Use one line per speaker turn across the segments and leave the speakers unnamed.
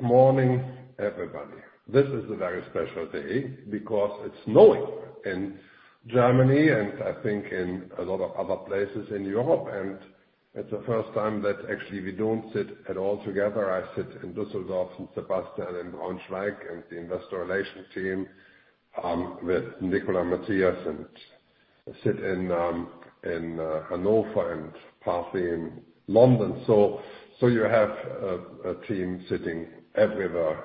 Good morning, everybody. This is a very special day because it's snowing in Germany and I think in a lot of other places in Europe. It's the first time that actually we don't sit at all together. I sit in Düsseldorf and Sebastian in Braunschweig. The Investor Relations team, with Nicola and Mathias sit in Hanover and partly in London. You have a team sitting everywhere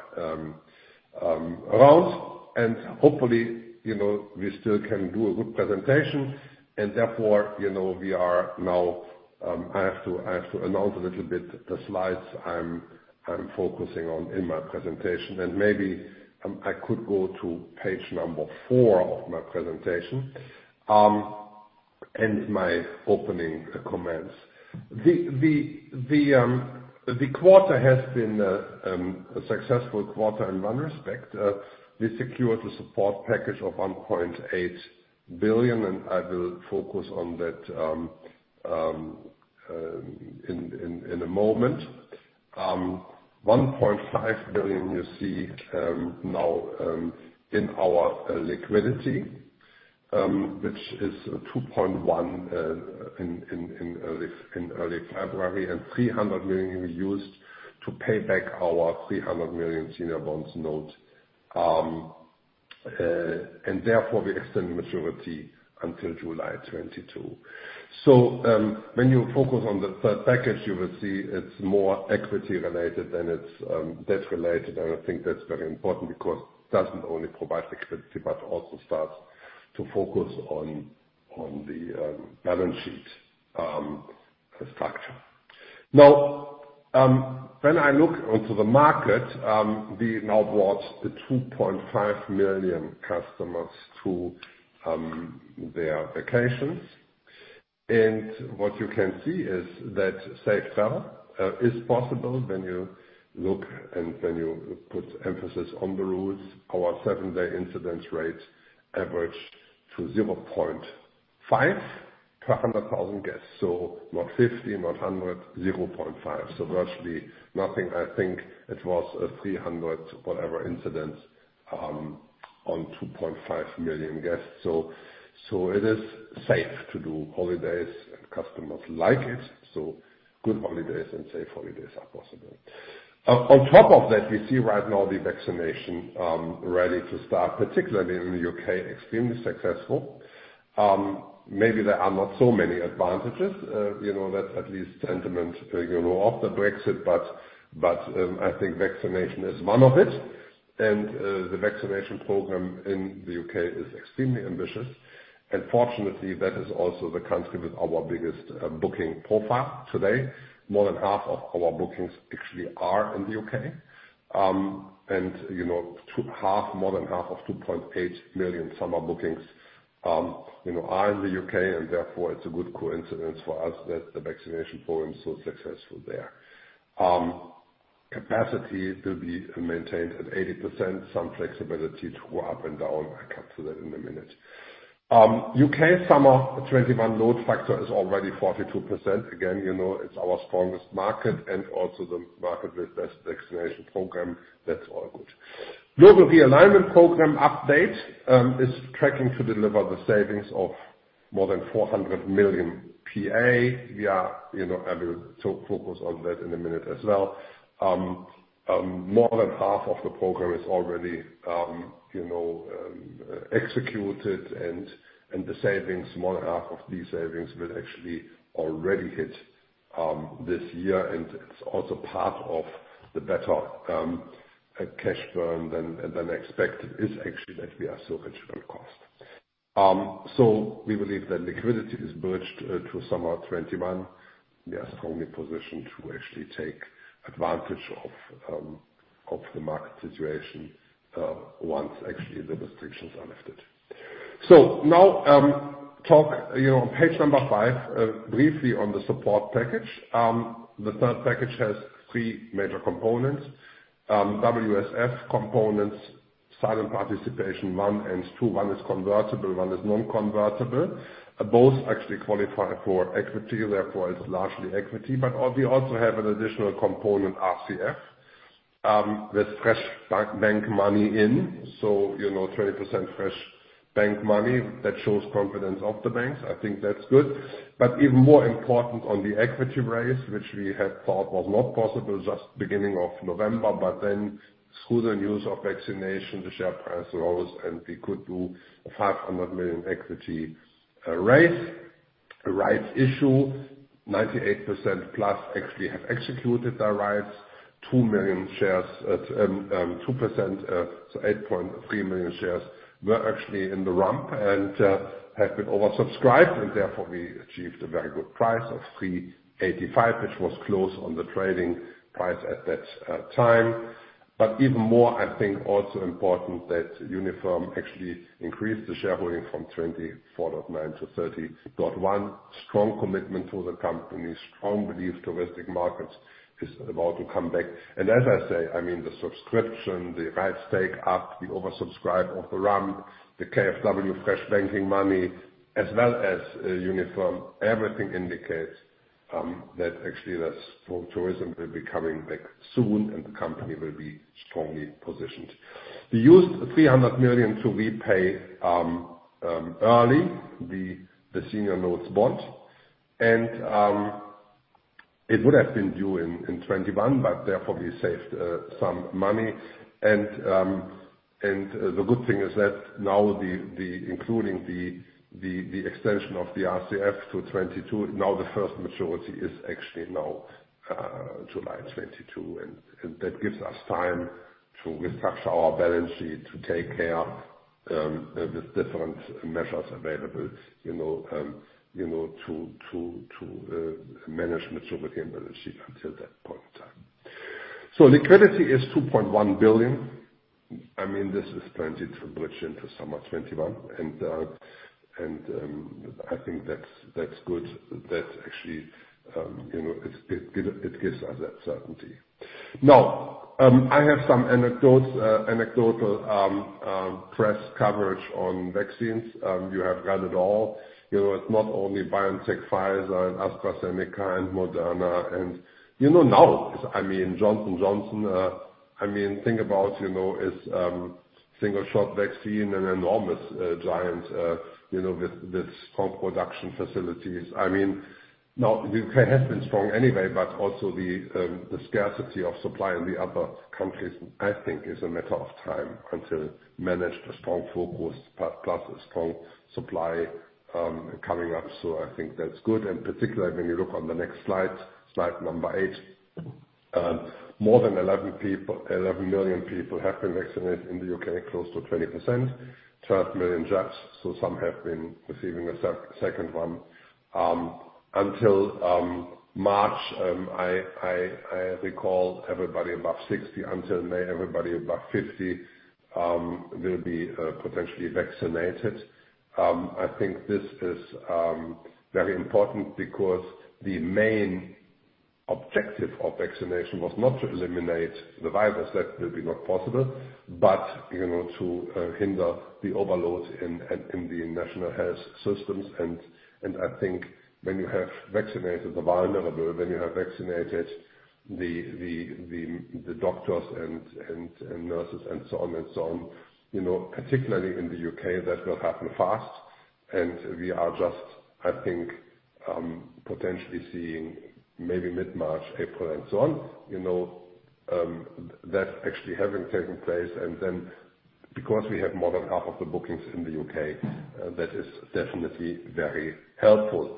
around. Hopefully, we still can do a good presentation. Therefore, I have to announce a little bit the slides I'm focusing on in my presentation. Maybe I could go to page four of my presentation and my opening comments. The quarter has been a successful quarter in one respect. We secured a support package of 1.8 billion. I will focus on that in a moment. 1.5 billion you see now in our liquidity, which is 2.1 billion in early February and 300 million we used to pay back our 300 million senior notes. Therefore, we extend maturity until July 2022. When you focus on the third package, you will see it's more equity-related than it is debt-related. I think that's very important because it doesn't only provide liquidity, but also starts to focus on the balance sheet structure. Now, when I look onto the market, we now brought 2.5 million customers to their vacations. What you can see is that safe travel is possible when you look and when you put emphasis on the routes. Our seven-day incidence rate averaged to 0.5 per 100,000 guests. Not 50, not 100, 0.5. Virtually nothing. I think it was 300, whatever incidents, on 2.5 million guests. It is safe to do holidays and customers like it. Good holidays and safe holidays are possible. On top of that, we see right now the vaccination ready to start, particularly in the U.K., extremely successful. Maybe there are not so many advantages, that's at least sentiment, of the Brexit, I think vaccination is one of it. The vaccination program in the U.K. is extremely ambitious. Fortunately, that is also the country with our biggest booking profile today. More than half of our bookings actually are in the U.K. More than half of 2.8 million summer bookings are in the U.K., and therefore, it's a good coincidence for us that the vaccination program is so successful there. Capacity will be maintained at 80%, some flexibility to go up and down. I come to that in a minute. U.K. summer 2021 load factor is already 42%. Again, it's our strongest market and also the market with best vaccination program. That's all good. Global realignment program update is tracking to deliver the savings of more than 400 million PA. I will focus on that in a minute as well. More than half of the program is already executed and more than half of these savings will actually already hit this year. It's also part of the better cash burn than expected is actually that we are so much on cost. We believe that liquidity is bridged to summer 2021. We are strongly positioned to actually take advantage of the market situation, once actually the restrictions are lifted. Now, talk on page five, briefly on the support package. The third package has three major components. WSF components, silent participation, one and two. One is convertible, one is non-convertible. Both actually qualify for equity, therefore it is largely equity. We also have an additional component, RCF, with fresh bank money in. 20% fresh bank money that shows confidence of the banks. I think that is good. Even more important on the equity raise, which we had thought was not possible just beginning of November, but then through the news of vaccination, the share price rose and we could do a 500 million equity raise. Rights issue, 98%+ actually have executed their rights. 2% so 8.3 million shares were actually in the rump and have been oversubscribed and therefore we achieved a very good price of 3.85 which was close on the trading price at that time. Even more I think also important that Unifirm actually increased the shareholding from 24.9% to 30.1%. Strong commitment to the company, strong belief touristic markets is about to come back. As I say, the subscription, the rights take up, the oversubscribe of the rump, the KfW fresh banking money as well as Unifirm, everything indicates that actually that full tourism will be coming back soon and the company will be strongly positioned. We used 300 million to repay early the senior notes bond. It would have been due in 2021, but therefore we saved some money. The good thing is that now including the extension of the RCF to 2022, now the first maturity is actually now July 2022, and that gives us time to restructure our balance sheet to take care with different measures available, to manage maturity of the sheet until that point in time. Liquidity is 2.1 billion. This is plenty to bridge into summer 2021. I think that's good. That actually gives us that certainty. I have some anecdotal press coverage on vaccines. You have read it all. It's not only BioNTech, Pfizer, AstraZeneca and Moderna and now, Johnson & Johnson. Think about its single-shot vaccine and enormous giant with strong production facilities. The U.K. has been strong anyway, but also the scarcity of supply in the other countries, I think, is a matter of time until managed a strong focus plus a strong supply coming up. I think that's good. Particularly when you look on the next slide number eight. More than 11 million people have been vaccinated in the U.K., close to 20%, 12 million jabs, so some have been receiving a second one. Until March, I recall everybody above 60, until May, everybody above 50 will be potentially vaccinated. I think this is very important because the main objective of vaccination was not to eliminate the virus. That will be not possible. To hinder the overload in the national health systems, I think when you have vaccinated the vulnerable, when you have vaccinated the doctors and nurses and so on, particularly in the U.K., that will happen fast. We are just, I think, potentially seeing maybe mid-March, April and so on. That actually having taken place. Because we have more than half of the bookings in the U.K., that is definitely very helpful.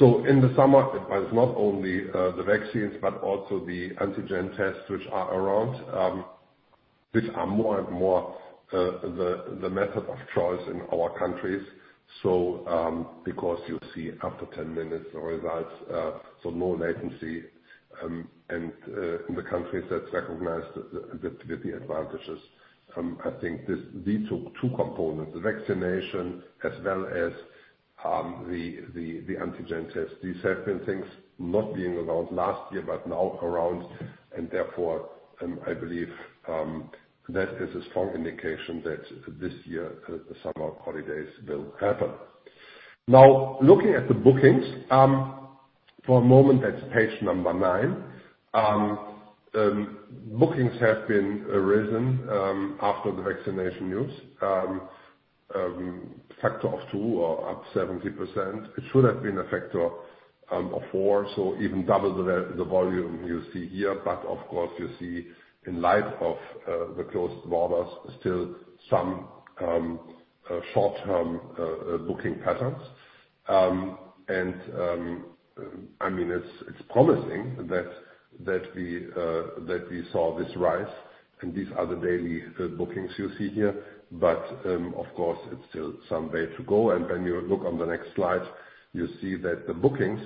In the summer, it was not only the vaccines but also the antigen tests which are around, which are more and more the method of choice in our countries. Because you see after 10 minutes the results, so no latency. The countries that recognize the advantages. I think these two components, vaccination as well as the antigen test. These have been things not being around last year, but now around and therefore, I believe that is a strong indication that this year the summer holidays will happen. Looking at the bookings for a moment, that's page number nine. Bookings have arisen after the vaccination news, factor of two or up 70%. It should have been a factor of four, so even double the volume you see here. Of course, you see in light of the closed borders, still some short-term booking patterns. It's promising that we saw this rise and these are the daily bookings you see here. Of course, it's still some way to go. When you look on the next slide, you see that the bookings,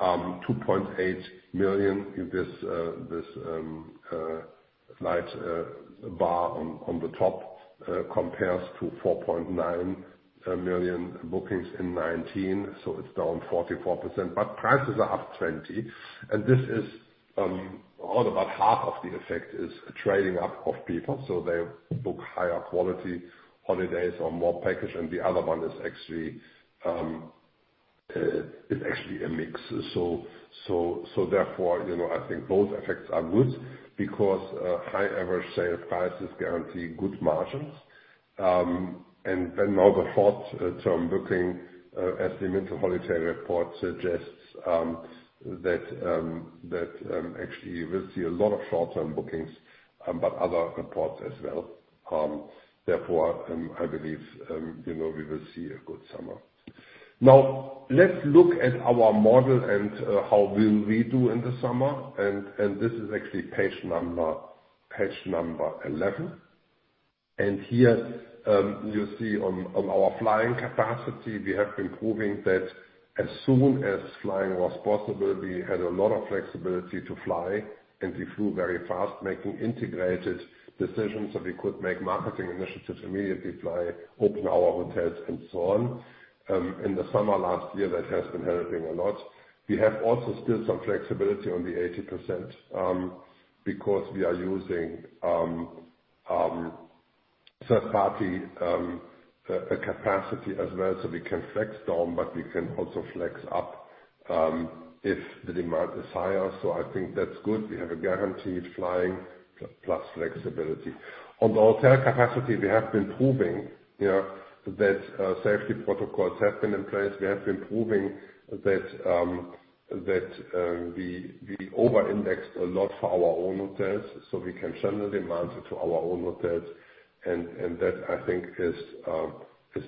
2.8 million in this light bar on the top compares to 4.9 million bookings in 2019. It's down 44%, but prices are up 20%. This is all about half of the effect is trading up of people. They book higher quality holidays or more package and the other one is actually a mix. I think both effects are good because high average selling prices guarantee good margins. The short-term booking as the winter holiday report suggests that actually we'll see a lot of short-term bookings, but other reports as well. I believe we will see a good summer. Let's look at our model and how will we do in the summer. This is actually page number 11. Here, you see on our flying capacity, we have been proving that as soon as flying was possible, we had a lot of flexibility to fly and we flew very fast making integrated decisions so we could make marketing initiatives immediately fly, open our hotels and so on. In the summer last year, that has been helping a lot. We have also still some flexibility on the 80% because we are using third-party capacity as well, so we can flex down, but we can also flex up if the demand is higher. I think that's good. We have a guaranteed flying, plus flexibility. On the hotel capacity, we have been proving that safety protocols have been in place. We have been proving that we over-indexed a lot for our own hotels, so we can channel demand to our own hotels. That, I think, is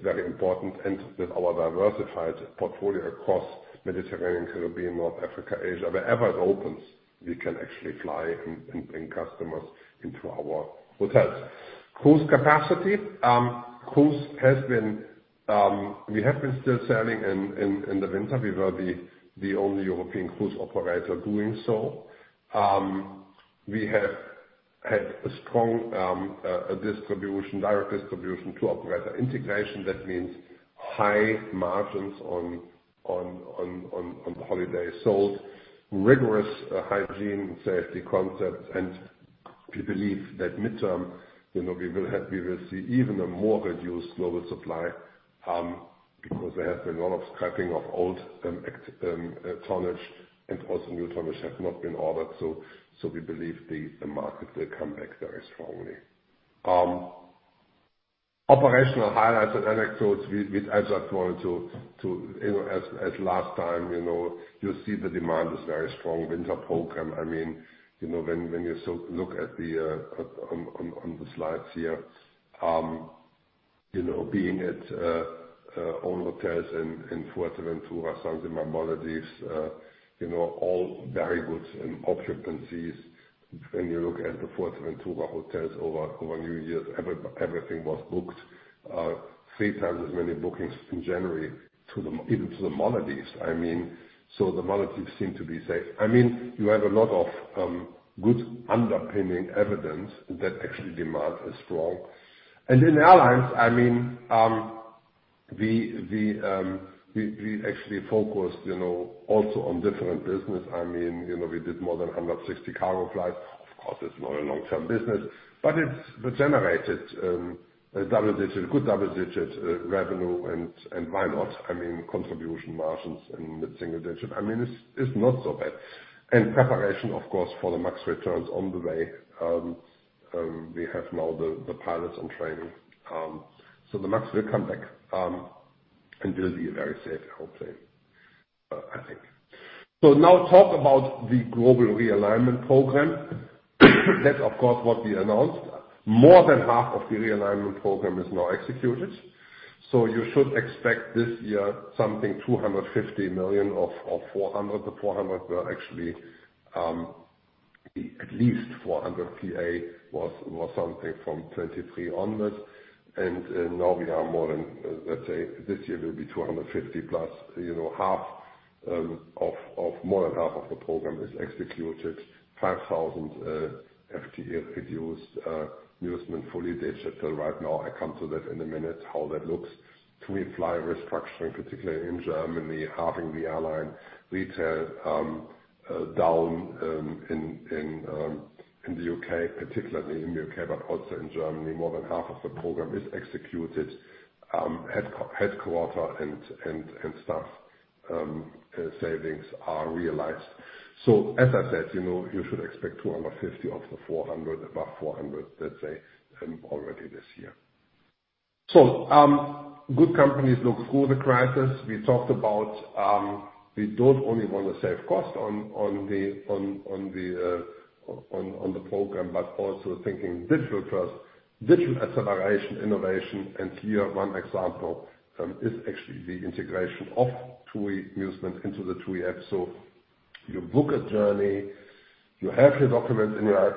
very important. With our diversified portfolio across Mediterranean, Caribbean, North Africa, Asia, wherever it opens, we can actually fly and bring customers into our hotels. Cruise capacity. We have been still sailing in the winter. We were the only European cruise operator doing so. We have had a strong direct distribution to operator integration. That means high margins on holiday sold, rigorous hygiene and safety concepts, and we believe that mid-term, we will see even a more reduced global supply, because there has been a lot of scrapping of old tonnage and also new tonnage has not been ordered. We believe the market will come back very strongly. Operational highlights and anecdotes. As I pointed to, as last time, you see the demand is very strong. Winter program, when you look at on the slides here, being at own hotels in Fuerteventura, St. Maarten, Maldives, all very good occupancies. When you look at the Fuerteventura hotels over New Year's, everything was booked 3x as many bookings in January even to the Maldives. The Maldives seem to be safe. You have a lot of good underpinning evidence that actually demand is strong. In airlines, we actually focused also on different business. We did more than 160 cargo flights. Of course, it's not a long-term business, but it's generated a good double-digit revenue. Why not? Contribution margins in mid-single digit. It's not so bad. Preparation, of course, for the MAX returns on the way. We have now the pilots on training. The MAX will come back, and will be a very safe airplane, I think. Now talk about the Global Realignment Program. That's, of course, what we announced. More than half of the Realignment Program is now executed. You should expect this year something 250 million of 400 million. The 400 million were actually at least 400 PA was something from 2023 onwards. Now we are more than, let's say this year will be 250 million+. More than half of the program is executed, 5,000 FTEs reduced. Musement fully digital right now. I come to that in a minute, how that looks. TUI fly restructuring, particularly in Germany, halving the airline. Retail down in the U.K., particularly in the U.K., but also in Germany, more than half of the program is executed. Headquarter and staff savings are realized. As I said, you should expect 250 million of the 400 million, above 400 million, let's say, already this year. Good companies look through the crisis. We talked about we don't only want to save cost on the program, but also thinking digital first, digital acceleration, innovation. Here, one example is actually the integration of TUI Musement into the TUI app. You book a journey, you have your documents in your app,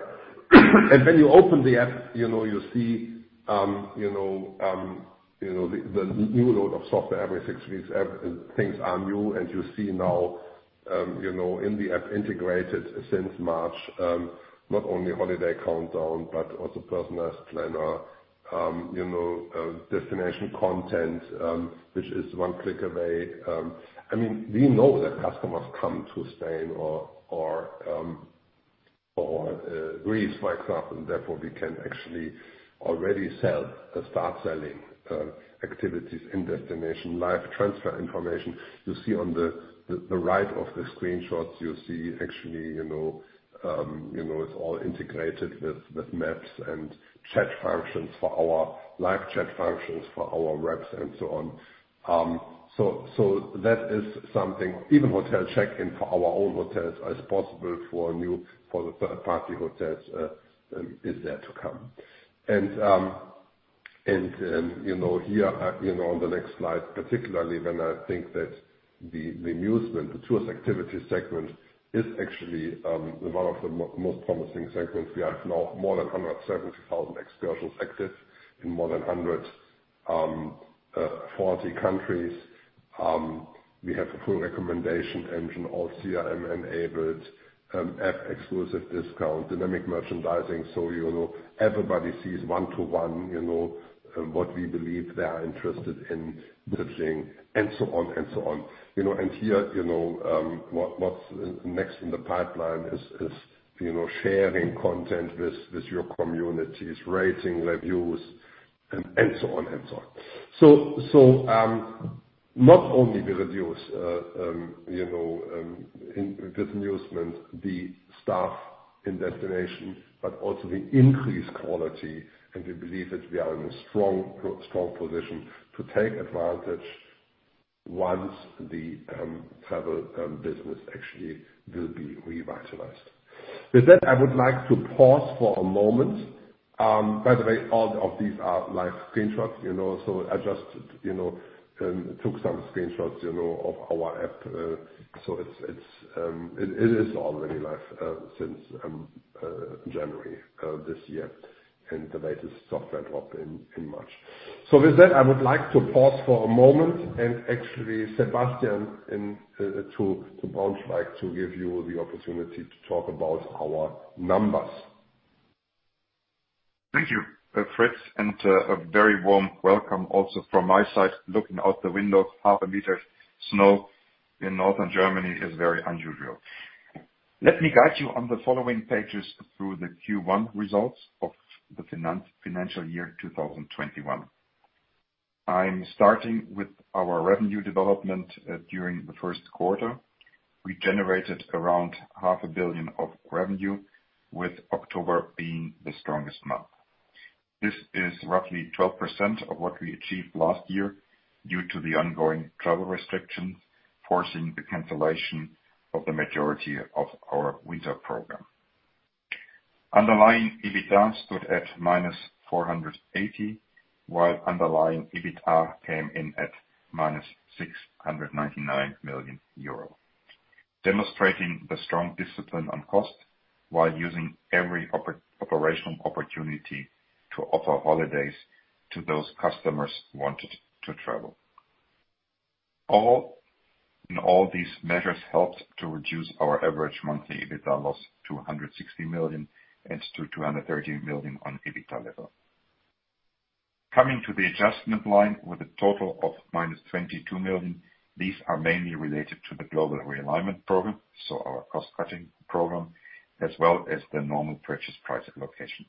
and when you open the app, you see the new load of software every six weeks, things are new. You see now in the app integrated since March, not only holiday countdown, but also personalized planner, destination content, which is one click away. We know that customers come to Spain or Greece, for example. Therefore, we can actually already start selling activities in destination. Live transfer information. You see on the right of the screenshots, actually it's all integrated with maps and chat functions for our live chat functions for our reps and so on. That is something. Even hotel check-in for our own hotels is possible. For third-party hotels is yet to come. Here on the next slide, particularly when I think that the Musement, the tours activity segment is actually one of the most promising segments. We have now more than 170,000 experiences active in more than 140 countries. We have a full recommendation engine, all CRM enabled, app exclusive discount, dynamic merchandising. Everybody sees one-to-one what we believe they are interested in visiting, and so on. Here, what's next in the pipeline is sharing content with your communities, rating reviews, and so on. Not only we reduce, in Musement the staff in destination, but also we increase quality, and we believe that we are in a strong position to take advantage once the travel business actually will be revitalized. With that, I would like to pause for a moment. By the way, all of these are live screenshots, so I just took some screenshots of our app. It is already live since January this year and the latest software drop in March. With that, I would like to pause for a moment and actually Sebastian, to bounce back, to give you the opportunity to talk about our numbers.
Thank you, Fritz, and a very warm welcome also from my side, looking out the window, half a meter snow in northern Germany is very unusual. Let me guide you on the following pages through the Q1 results of the financial year 2021. I'm starting with our revenue development during the first quarter. We generated around half a billion of revenue, with October being the strongest month. This is roughly 12% of what we achieved last year due to the ongoing travel restrictions forcing the cancellation of the majority of our winter program. Underlying EBITDA stood at -480, while underlying EBITA came in at -699 million euro. Demonstrating the strong discipline on cost while using every operational opportunity to offer holidays to those customers who wanted to travel. All in all, these measures helped to reduce our average monthly EBITDA loss to 160 million and to 230 million on EBITA level. Coming to the adjustment line with a total of -22 million, these are mainly related to the Global Realignment Program, so our cost-cutting program, as well as the normal Purchase Price Allocation.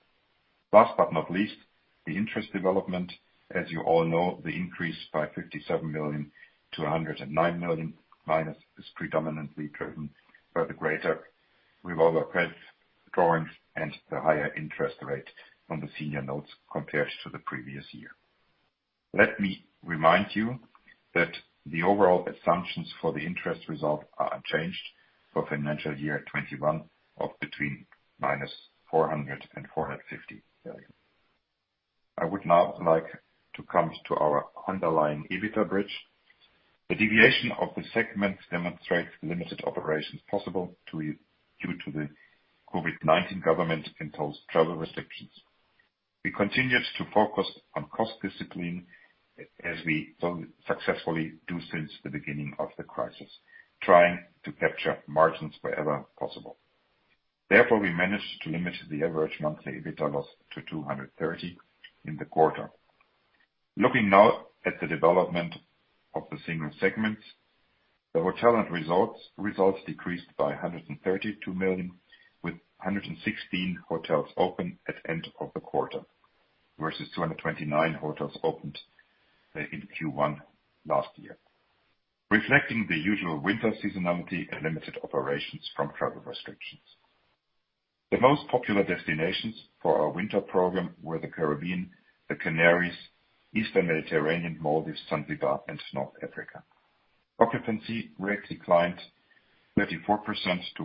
Last but not least, the interest development. As you all know, the increase by 57 million to 109 million minus is predominantly driven by the greater revolver credit drawings and the higher interest rate on the Senior Notes compared to the previous year. Let me remind you that the overall assumptions for the interest result are unchanged for financial year 2021 of between -400 million and 450 million. I would now like to come to our underlying EBITA bridge. The deviation of the segment demonstrates limited operations possible due to the COVID-19 government-imposed travel restrictions. We continued to focus on cost discipline as we successfully do since the beginning of the crisis, trying to capture margins wherever possible. We managed to limit the average monthly EBITA loss to 230 in the quarter. Looking now at the development of the single segments, the hotel and resorts decreased by 132 million, with 116 hotels open at end of the quarter versus 229 hotels opened in Q1 last year. Reflecting the usual winter seasonality and limited operations from travel restrictions. The most popular destinations for our winter program were the Caribbean, the Canaries, Eastern Mediterranean, Maldives, Zanzibar, and North Africa. Occupancy rate declined 34% to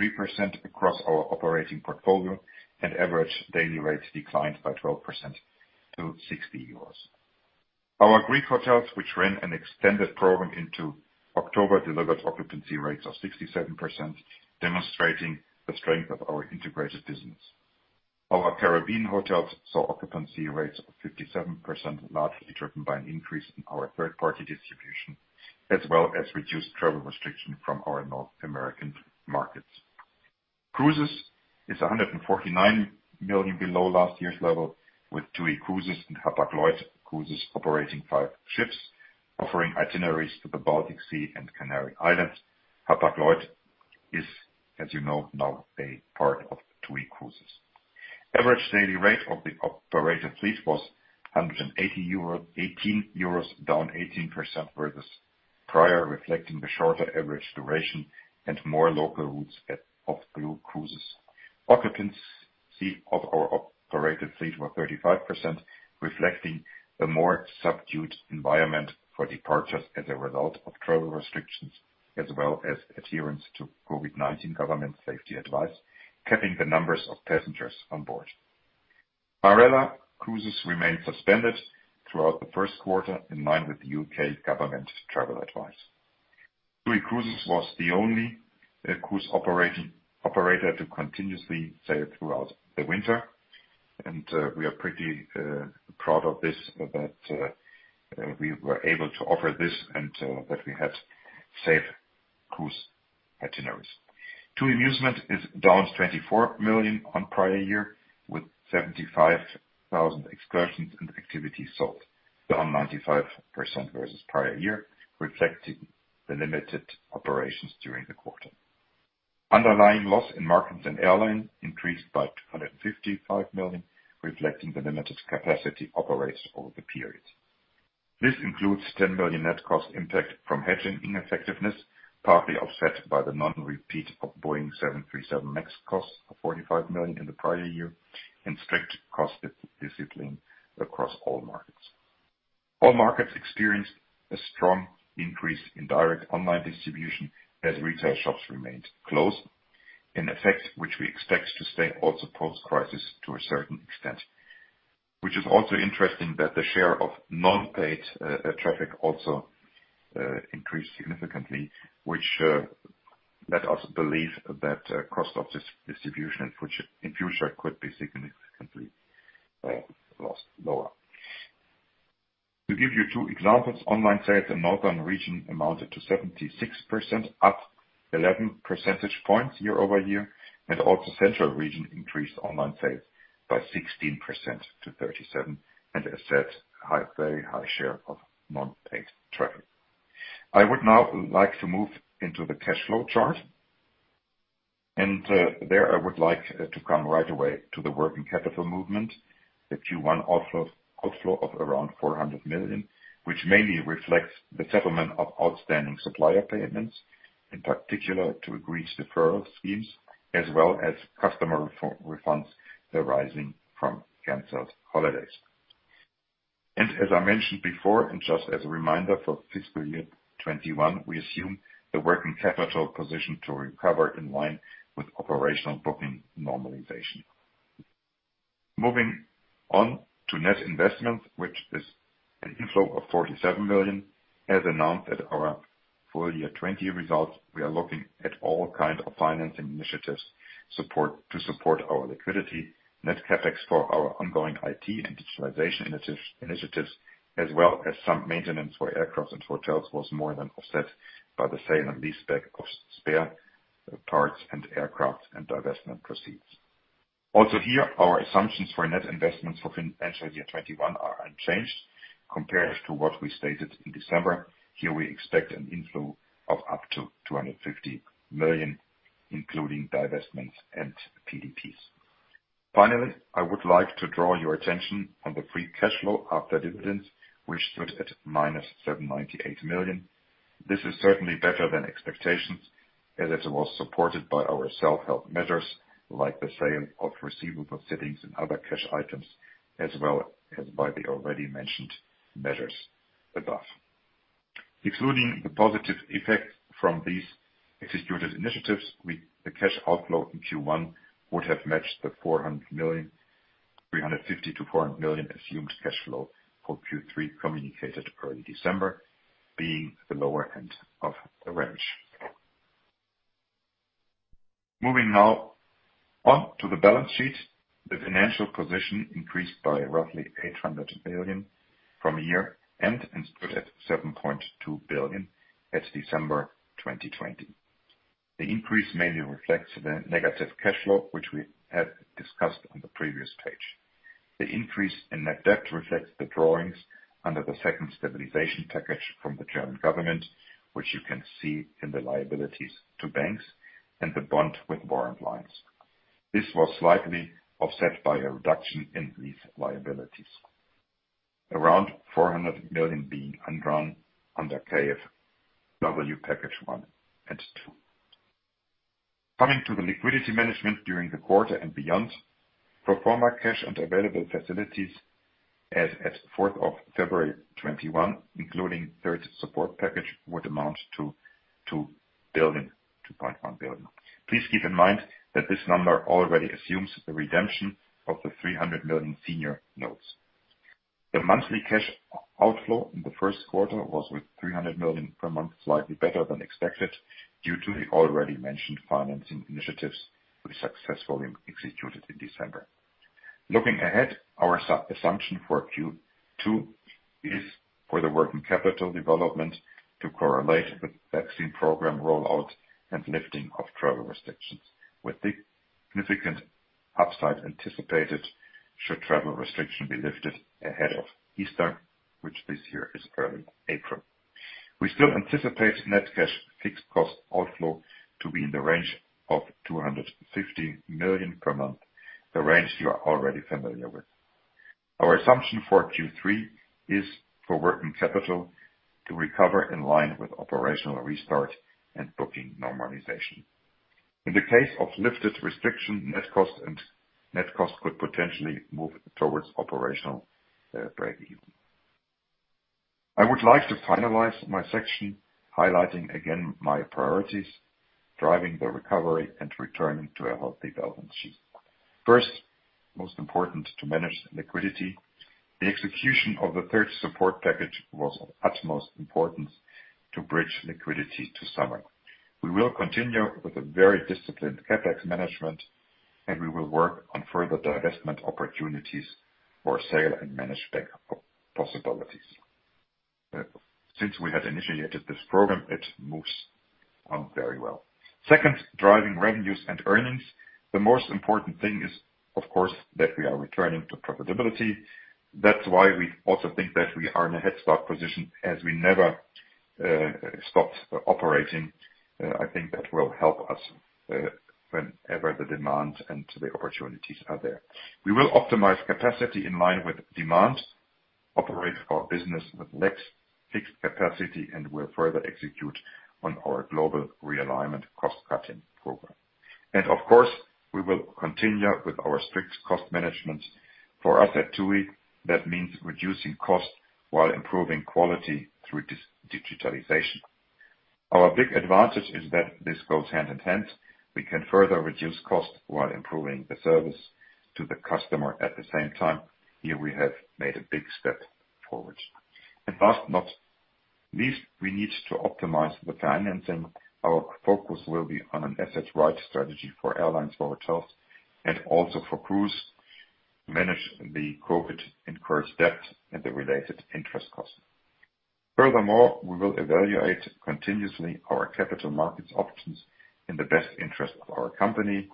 43% across our operating portfolio, and average daily rates declined by 12% to 60 euros. Our Greek hotels, which ran an extended program into October, delivered occupancy rates of 67%, demonstrating the strength of our integrated business. Our Caribbean hotels saw occupancy rates of 57%, largely driven by an increase in our third-party distribution, as well as reduced travel restriction from our North American markets. Cruises is 149 million below last year's level, with TUI Cruises and Hapag-Lloyd Cruises operating five ships offering itineraries to the Baltic Sea and Canary Islands. Hapag-Lloyd is, as you know, now a part of TUI Cruises. Average daily rate of the operated fleet was 118 euros, down 18% versus prior, reflecting the shorter average duration and more local routes of Blue Cruises. Occupancy of our operated fleet were 35%, reflecting a more subdued environment for departures as a result of travel restrictions, as well as adherence to COVID-19 government safety advice, capping the numbers of passengers on board. Marella Cruises remained suspended throughout the first quarter in line with the U.K. government travel advice. TUI Cruises was the only cruise operator to continuously sail throughout the winter, and we are pretty proud of this, that we were able to offer this and that we had safeCruise itineraries. TUI Musement is down to 24 million on prior year, with 75,000 excursions and activities sold, down 95% versus prior year, reflecting the limited operations during the quarter. Underlying loss in markets and airline increased by 255 million, reflecting the limited capacity operations over the period. This includes 10 million net cost impact from hedging ineffectiveness, partly offset by the non-repeat of Boeing 737 MAX costs of 45 million in the prior year, and strict cost discipline across all markets. All markets experienced a strong increase in direct online distribution as retail shops remained closed, an effect which we expect to stay also post-crisis to a certain extent. Which is also interesting that the share of non-paid traffic also increased significantly, which let us believe that cost of distribution in future could be significantly lower. To give you two examples, online sales in Northern region amounted to 76%, up 11 percentage points year-over-year, and also Central region increased online sales by 16% to 37%, and as said, a very high share of non-paid traffic. I would now like to move into the cash flow chart. There I would like to come right away to the working capital movement, the Q1 outflow of around 400 million, which mainly reflects the settlement of outstanding supplier payments, in particular to agreed deferral schemes, as well as customer refunds arising from canceled holidays. As I mentioned before, and just as a reminder, for fiscal year 2021, we assume the working capital position to recover in line with operational booking normalization. Moving on to net investment, which is an inflow of 47 million, as announced at our full year 2020 results, we are looking at all kind of financing initiatives to support our liquidity. Net CapEx for our ongoing IT and digitalization initiatives, as well as some maintenance for aircraft and hotels, was more than offset by the sale and leaseback of spare parts and aircraft and divestment proceeds. Here, our assumptions for net investments for financial year 2021 are unchanged compared to what we stated in December. Here we expect an inflow of up to 250 million, including divestments and PDPs. I would like to draw your attention on the free cash flow after dividends, which stood at -798 million. This is certainly better than expectations, as it was supported by our self-help measures, like the sale of receivables factoring and other cash items, as well as by the already mentioned measures above. Excluding the positive effect from these executed initiatives, the cash outflow in Q1 would have matched the 350 million to 400 million assumed cash flow for Q3 communicated early December, being the lower end of the range. Moving now on to the balance sheet. The financial position increased by roughly 800 million from a year end, and stood at 7.2 billion as December 2020. The increase mainly reflects the negative cash flow, which we had discussed on the previous page. The increase in net debt reflects the drawings under the second stabilization package from the German government, which you can see in the liabilities to banks and the bond with warrant lines. This was slightly offset by a reduction in these liabilities, around 400 million being undrawn under KfW package one and two. Coming to the liquidity management during the quarter and beyond. Pro forma cash and available facilities as at 4th of February 2021, including third support package, would amount to 2.1 billion. Please keep in mind that this number already assumes the redemption of the 300 million senior notes. The monthly cash outflow in the first quarter was, with 300 million per month, slightly better than expected due to the already mentioned financing initiatives we successfully executed in December. Looking ahead, our assumption for Q2 is for the working capital development to correlate with vaccine program rollout and lifting of travel restrictions, with significant upside anticipated should travel restriction be lifted ahead of Easter, which this year is early April. We still anticipate net cash fixed cost outflow to be in the range of 250 million per month, the range you are already familiar with. Our assumption for Q3 is for working capital to recover in line with operational restart and booking normalization. In the case of lifted restriction, net cost could potentially move towards operational breakeven. I would like to finalize my section highlighting again my priorities, driving the recovery and returning to a healthy balance sheet. First, most important, to manage liquidity. The execution of the third support package was of utmost importance to bridge liquidity to summer. We will continue with a very disciplined CapEx management. We will work on further divestment opportunities for sale and manage back possibilities. Since we had initiated this program, it moves on very well. Second, driving revenues and earnings. The most important thing is, of course, that we are returning to profitability. That's why we also think that we are in a head start position, as we never stopped operating. I think that will help us whenever the demand and the opportunities are there. We will optimize capacity in line with demand, operate our business with less fixed capacity, and will further execute on our global realignment cost-cutting program. Of course, we will continue with our strict cost management. For us at TUI, that means reducing cost while improving quality through digitalization. Our big advantage is that this goes hand in hand. We can further reduce cost while improving the service to the customer at the same time. Here we have made a big step forward. Last but not least, we need to optimize the financing. Our focus will be on an asset-light strategy for airlines, hotels, and also for cruise. Manage the COVID-incurred debt and the related interest cost. Furthermore, we will evaluate continuously our capital markets options in the best interest of our company.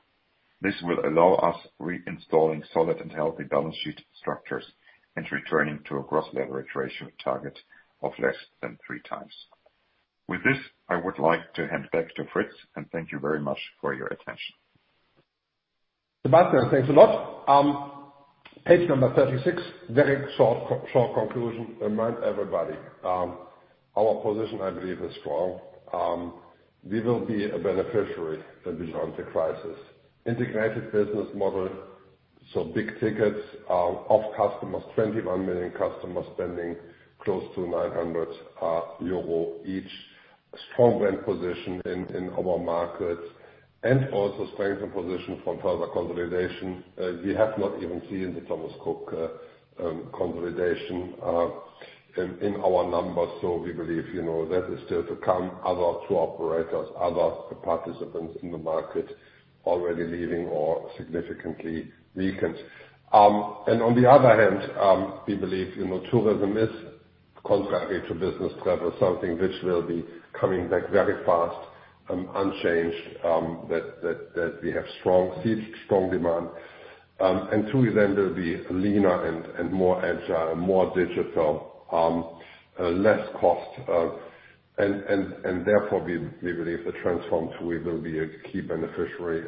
This will allow us reinstalling solid and healthy balance sheet structures and returning to a gross leverage ratio target of less than 3x. With this, I would like to hand back to Fritz, and thank you very much for your attention.
Sebastian, thanks a lot. Page number 36. Very short conclusion. Remind everybody, our position, I believe, is strong. We will be a beneficiary beyond the crisis. Integrated business model, big tickets of customers, 21 million customers spending close to 900 euro each. Strong brand position in our markets and also strengthen position from further consolidation. We have not even seen the Thomas Cook consolidation in our numbers, we believe that is still to come. Other tour operators, other participants in the market already leaving or significantly weakened. On the other hand, we believe tourism is, contrary to business travel, something which will be coming back very fast and unchanged, that we have seen strong demand. TUI then will be leaner and more agile and more digital, less cost. Therefore, we believe the transformed TUI will be a key beneficiary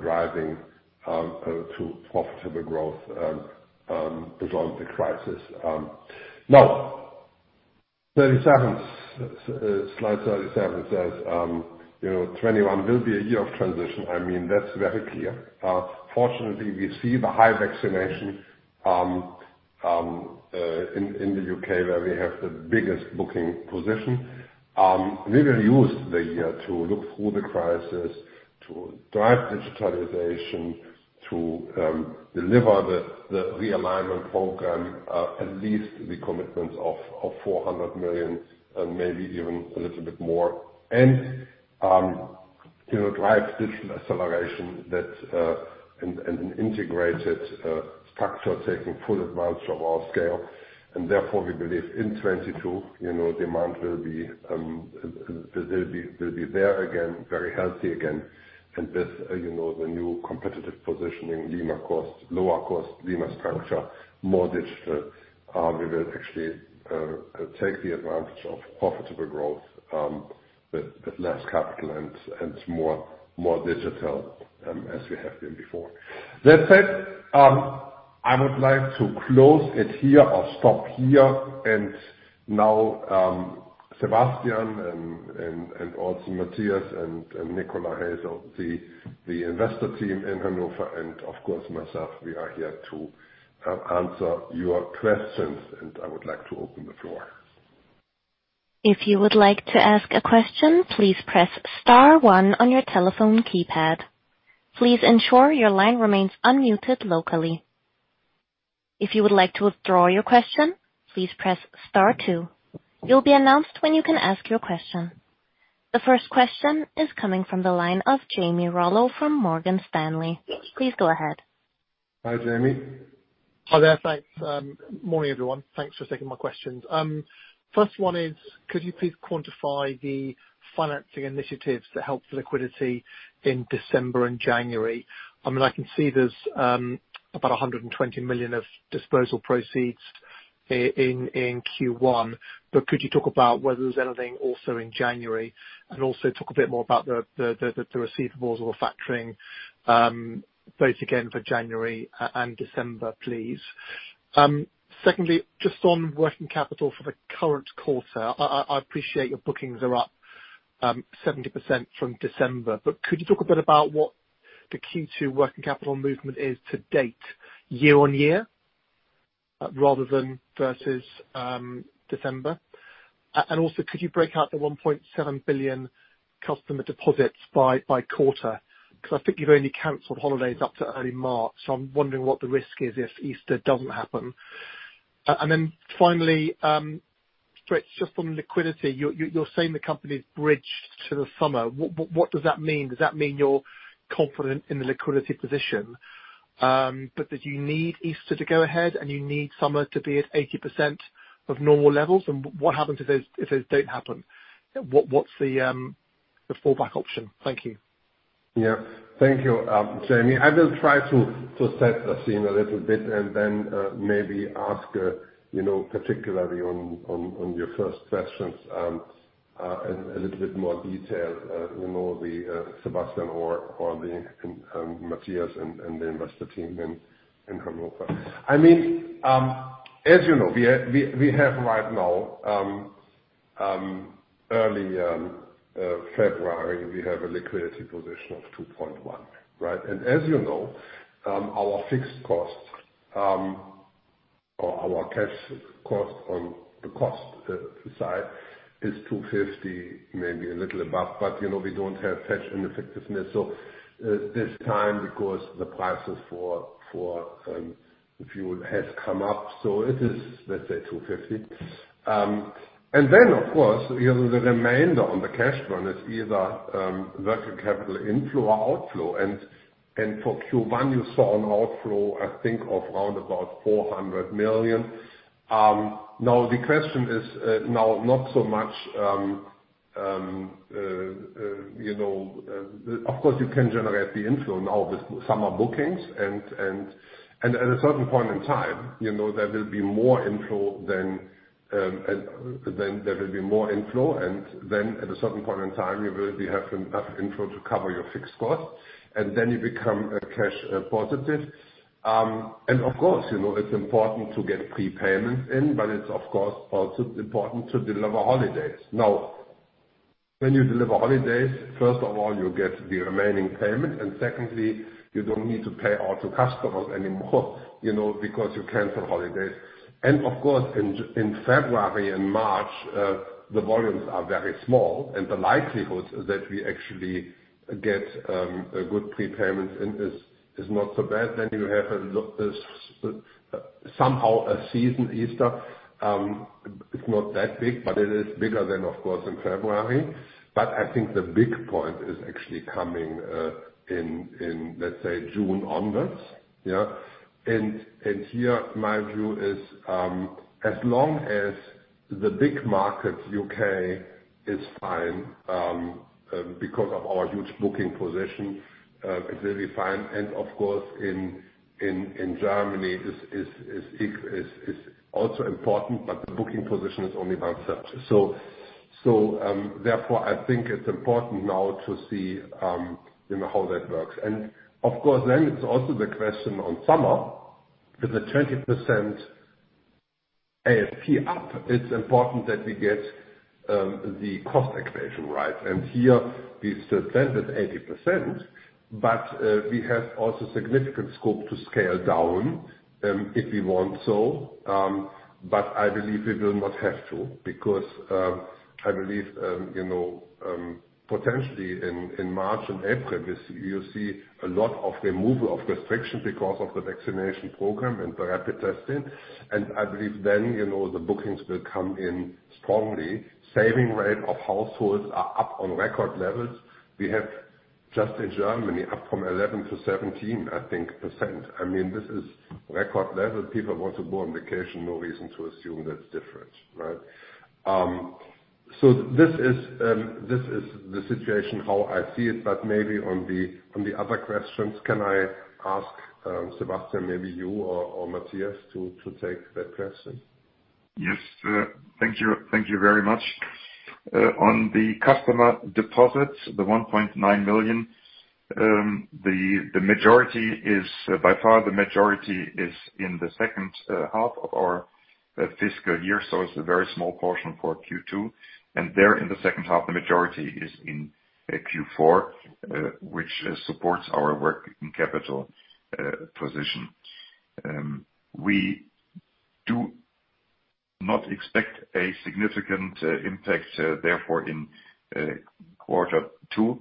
driving profitable growth beyond the crisis. Slide 37 says 2021 will be a year of transition. That's very clear. Fortunately, we see the high vaccination in the U.K. where we have the biggest booking position. We will use the year to look through the crisis, to drive digitalization, to deliver the Global Realignment Program, at least the commitment of 400 million and maybe even a little bit more. Drive digital acceleration and an integrated structure taking full advantage of our scale. Therefore, we believe in 2022, demand will be there again, very healthy again. With the new competitive positioning, lower cost, leaner structure, more digital, we will actually take the advantage of profitable growth with less capital and more digital as we have been before. That said, I would like to close it here or stop here. Now, Sebastian and also Mathias and Nicola Gehrt, the investor team in Hanover, and of course, myself, we are here to answer your questions and I would like to open the floor.
If you would like to ask a question, please press star one on your telephone keypad. Please ensure your line remains unmuted locally. If you would like to withdraw your question, please press star two. You will be announced when you can ask your question. The first question is coming from the line of Jamie Rollo from Morgan Stanley. Please go ahead.
Hi, Jamie.
Hi there. Thanks. Morning, everyone. Thanks for taking my questions. First one is, could you please quantify the financing initiatives that helped liquidity in December and January? I can see there's about 120 million of disposal proceeds in Q1, but could you talk about whether there's anything also in January? Also talk a bit more about the receivables or factoring, both again for January and December, please. Secondly, just on working capital for the current quarter, I appreciate your bookings are up 70% from December, but could you talk a bit about what the key to working capital movement is to date year-on-year rather than versus December? Also could you break out the 1.7 billion customer deposits by quarter? I think you've only canceled holidays up to early March. I'm wondering what the risk is if Easter doesn't happen. Finally, Fritz, just on liquidity. You're saying the company's bridged to the summer. What does that mean? Does that mean you're confident in the liquidity position, that you need Easter to go ahead and you need summer to be at 80% of normal levels? What happens if those don't happen? What's the fallback option? Thank you.
Thank you, Jamie. I will try to set the scene a little bit and then maybe ask, particularly on your first questions, in a little bit more detail, Sebastian or Mathias and the investor team in Hannover. As you know, we have right now, early February, we have a liquidity position of 2.1. As you know, our fixed costs, our cash cost on the cost side is 250, maybe a little above, but we don't have such ineffectiveness. This time because the prices for fuel has come up, it is, let's say 250. Of course, the remainder on the cash burn is either working capital inflow or outflow. For Q1, you saw an outflow, I think, of around about 400 million. The question is not so much. Of course, you can generate the inflow now with summer bookings and at a certain point in time, there will be more inflow and then at a certain point in time, you will have enough inflow to cover your fixed costs, and then you become cash positive. Of course, it is important to get prepayments in, but it is of course also important to deliver holidays. When you deliver holidays, first of all, you get the remaining payment and secondly, you do not need to pay out to customers anymore because you cancel holidays. Of course, in February and March, the volumes are very small and the likelihood that we actually get good prepayments in is not so bad. You have somehow a season, Easter. It is not that big, but it is bigger than, of course, in February. I think the big point is actually coming in, let's say, June onwards. Yeah. Here my view is, as long as the big markets, U.K. is fine because of our huge booking position, they'll be fine. And of course, in Germany is also important, but the booking position is only about such. Therefore, I think it's important now to see how that works. Of course, then it's also the question on summer with a 20% ASP up. It's important that we get the cost equation right. Here we still planned at 80%, but we have also significant scope to scale down if we want so. I believe we will not have to because I believe potentially in March and April you'll see a lot of removal of restrictions because of the vaccination program and the rapid testing. I believe then the bookings will come in strongly. Savings rate of households is up on record levels. We have just in Germany up from 11% to 17%, I think. This is record level. People want to go on vacation. No reason to assume that's different. Right? This is the situation how I see it, but maybe on the other questions, can I ask Sebastian, maybe you or Mathias to take that question?
Yes. Thank you very much. On the customer deposits, the 1.9 million, by far the majority is in the second half of our fiscal year. It's a very small portion for Q2. There in the second half, the majority is in Q4, which supports our working capital position. We do not expect a significant impact therefore in Q2.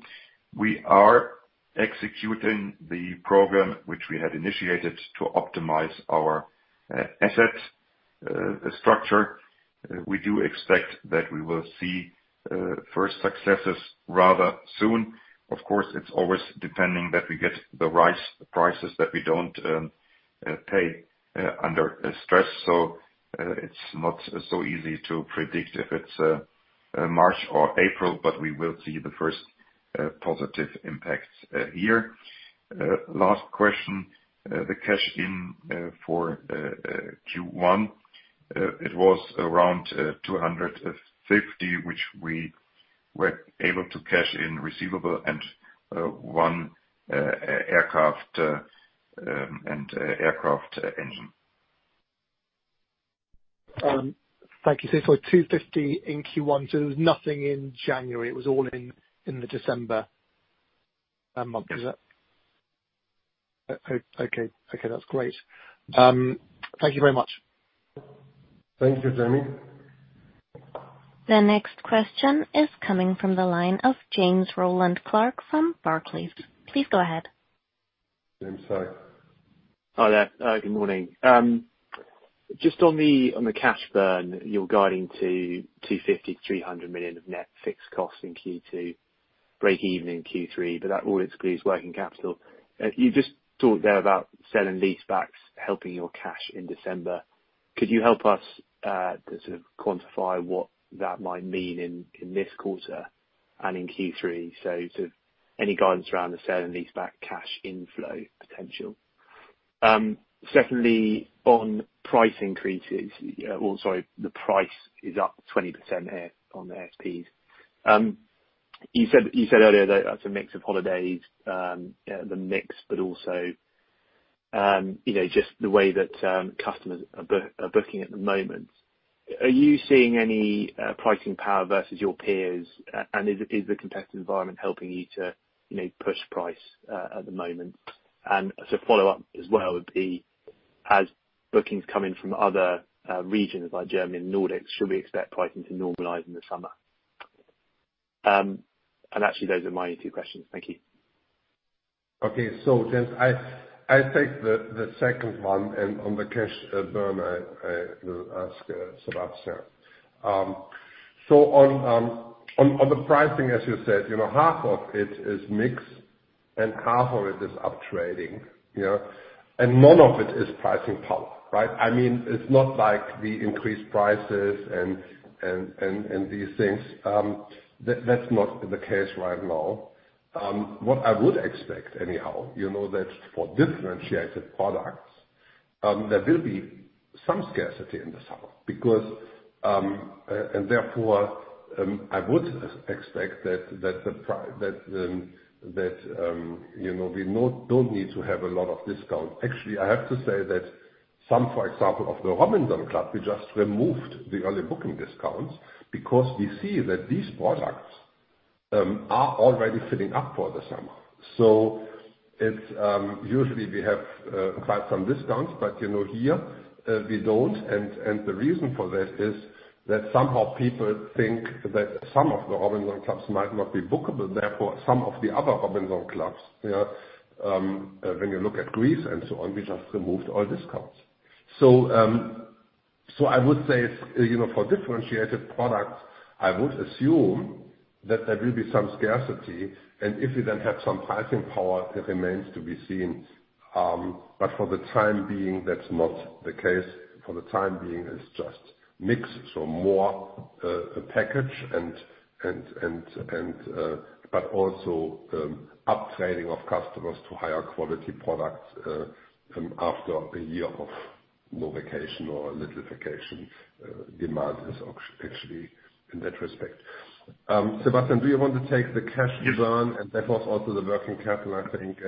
We are executing the program which we had initiated to optimize our asset structure. We do expect that we will see first successes rather soon. Of course, it's always depending that we get the right prices that we don't pay under stress. It's not so easy to predict if it's March or April, but we will see the first positive impacts here. Last question, the cash in for Q1, it was around 250, which we were able to cash in receivable and one aircraft engine.
Thank you. For 250 in Q1, there was nothing in January. It was all in the December month.
Yes.
Okay. That's great. Thank you very much.
Thank you, Jamie.
The next question is coming from the line of James Rowland Clark from Barclays. Please go ahead.
James, hi.
Hi there. Good morning. Just on the cash burn, you're guiding to 250 million-300 million of net fixed costs in Q2, breakeven in Q3, that all excludes working capital. You just talked there about sell and leasebacks helping your cash in December. Could you help us to sort of quantify what that might mean in this quarter and in Q3? Any guidance around the sell and leaseback cash inflow potential? Secondly, on price increases. The price is up 20% on the ASPs. You said earlier that's a mix of holidays, the mix, also just the way that customers are booking at the moment. Are you seeing any pricing power versus your peers? Is the competitive environment helping you to push price at the moment? As a follow-up as well would be, as bookings come in from other regions like Germany and Nordics, should we expect pricing to normalize in the summer? Actually, those are my two questions. Thank you.
James, I take the second one, and on the cash burn, I will ask Sebastian. On the pricing, as you said, half of it is mix, and half of it is up trading. None of it is pricing power, right? It's not like we increased prices and these things. That's not the case right now. What I would expect anyhow, that for differentiated products, there will be some scarcity in the summer. Therefore, I would expect that we don't need to have a lot of discount. Actually, I have to say that some, for example, of the ROBINSON Clubs, we just removed the early booking discounts because we see that these products are already filling up for the summer. Usually we have quite some discounts, but here, we don't. The reason for this is that somehow people think that some of the ROBINSON Clubs might not be bookable. Some of the other ROBINSON Clubs when you look at Greece and so on, we just removed all discounts. I would say for differentiated products, I would assume that there will be some scarcity, and if we then have some pricing power, it remains to be seen. For the time being, that's not the case. For the time being, it's just mix, so more package, but also upselling of customers to higher quality products, after a year of no vacation or little vacation, demand is actually in that respect. Sebastian, do you want to take the cash design and therefore also the working capital, I think?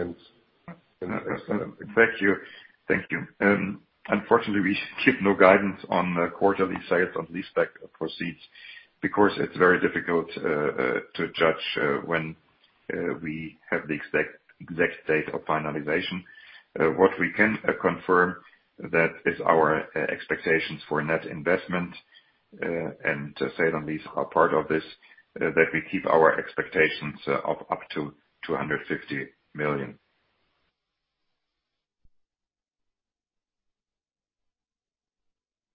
Thank you. Unfortunately, we give no guidance on the quarterly sales on leaseback proceeds because it's very difficult to judge when we have the exact date of finalization. What we can confirm that is our expectations for net investment, and sale and lease are part of this, that we keep our expectations of up to 250 million.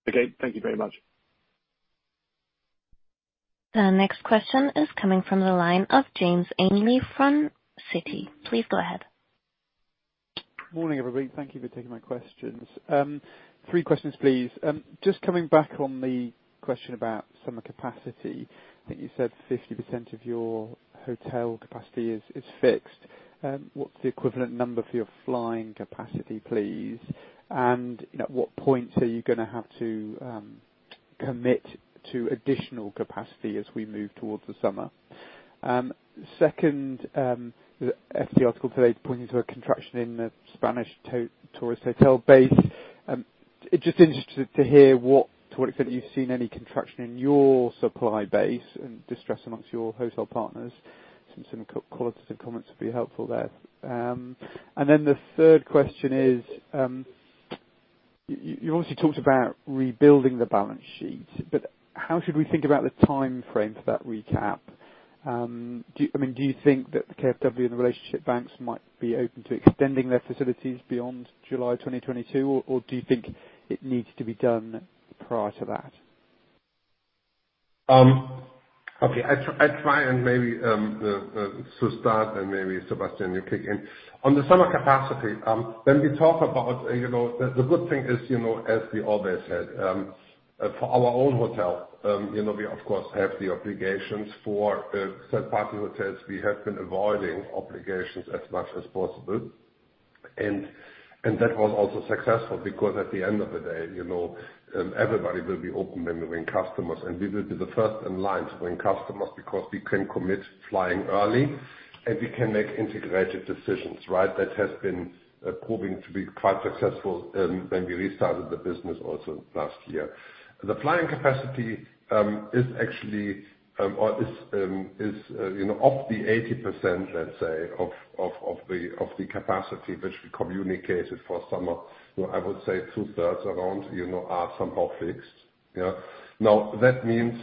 Okay. Thank you very much.
The next question is coming from the line of James Ainley from Citi. Please go ahead.
Morning, everybody. Thank you for taking my questions. Three questions, please. Just coming back on the question about summer capacity. I think you said 50% of your hotel capacity is fixed. What's the equivalent number for your flying capacity, please? At what point are you going to have to commit to additional capacity as we move towards the summer? Second, the FT article today is pointing to a contraction in the Spanish tourist hotel base. Just interested to hear what, to what extent you've seen any contraction in your supply base and distress amongst your hotel partners. Some qualitative comments would be helpful there. The third question is, you obviously talked about rebuilding the balance sheet, but how should we think about the timeframe for that recap? Do you think that the KfW and the relationship banks might be open to extending their facilities beyond July 2022, or do you think it needs to be done prior to that?
Okay. I try and maybe, to start, and maybe Sebastian, you kick in. On the summer capacity, when we talk about, the good thing is as we always said, for our own hotel we of course, have the obligations for third-party hotels. We have been avoiding obligations as much as possible. That was also successful because at the end of the day everybody will be open and win customers, and we will be the first in line to win customers because we can commit flying early and we can make integrated decisions, right? That has been proving to be quite successful when we restarted the business also last year. The flying capacity is actually of the 80%, let's say, of the capacity which we communicated for summer. I would say 2/3 around are somehow fixed. That means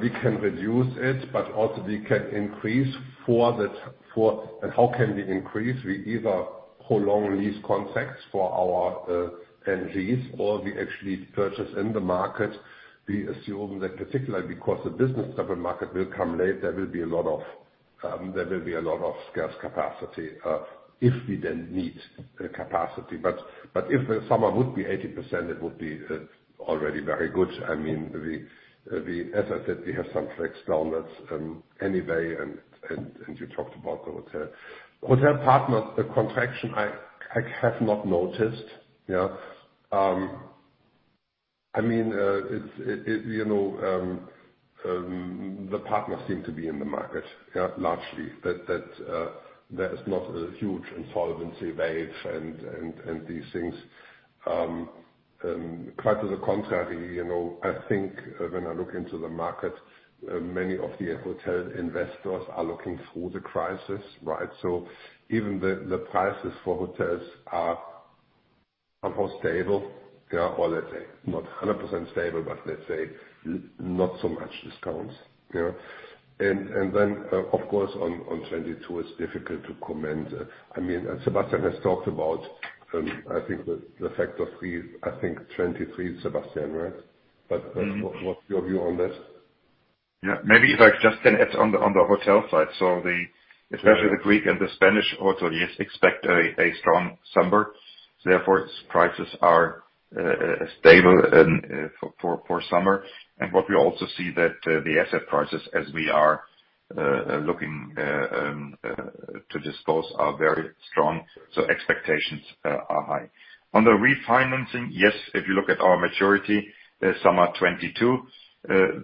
we can reduce it, but also we can increase for that. How can we increase? We either prolong lease contracts for our NGs or we actually purchase in the market. We assume that particularly because the business travel market will come late, there will be a lot of scarce capacity, if we then need capacity. If the summer would be 80%, it would be already very good. As I said, we have some flex down that anyway, and you talked about the hotel. Hotel partner, the contraction, I have not noticed. The partners seem to be in the market largely. There is not a huge insolvency wave and these things. Quite to the contrary, I think when I look into the market, many of the hotel investors are looking through the crisis. Even the prices for hotels are stable. Let's say not 100% stable, but let's say not so much discounts. Then, of course, on 2022 it's difficult to comment. Sebastian has talked about, I think the factor three, I think 2023, Sebastian, right? What's your view on that?
Maybe if I just add on the hotel side. Especially the Greek and the Spanish hotel guests expect a strong summer, therefore prices are stable for summer. What we also see that the asset prices as we are looking to dispose are very strong, so expectations are high. On the refinancing, yes, if you look at our maturity, summer 2022,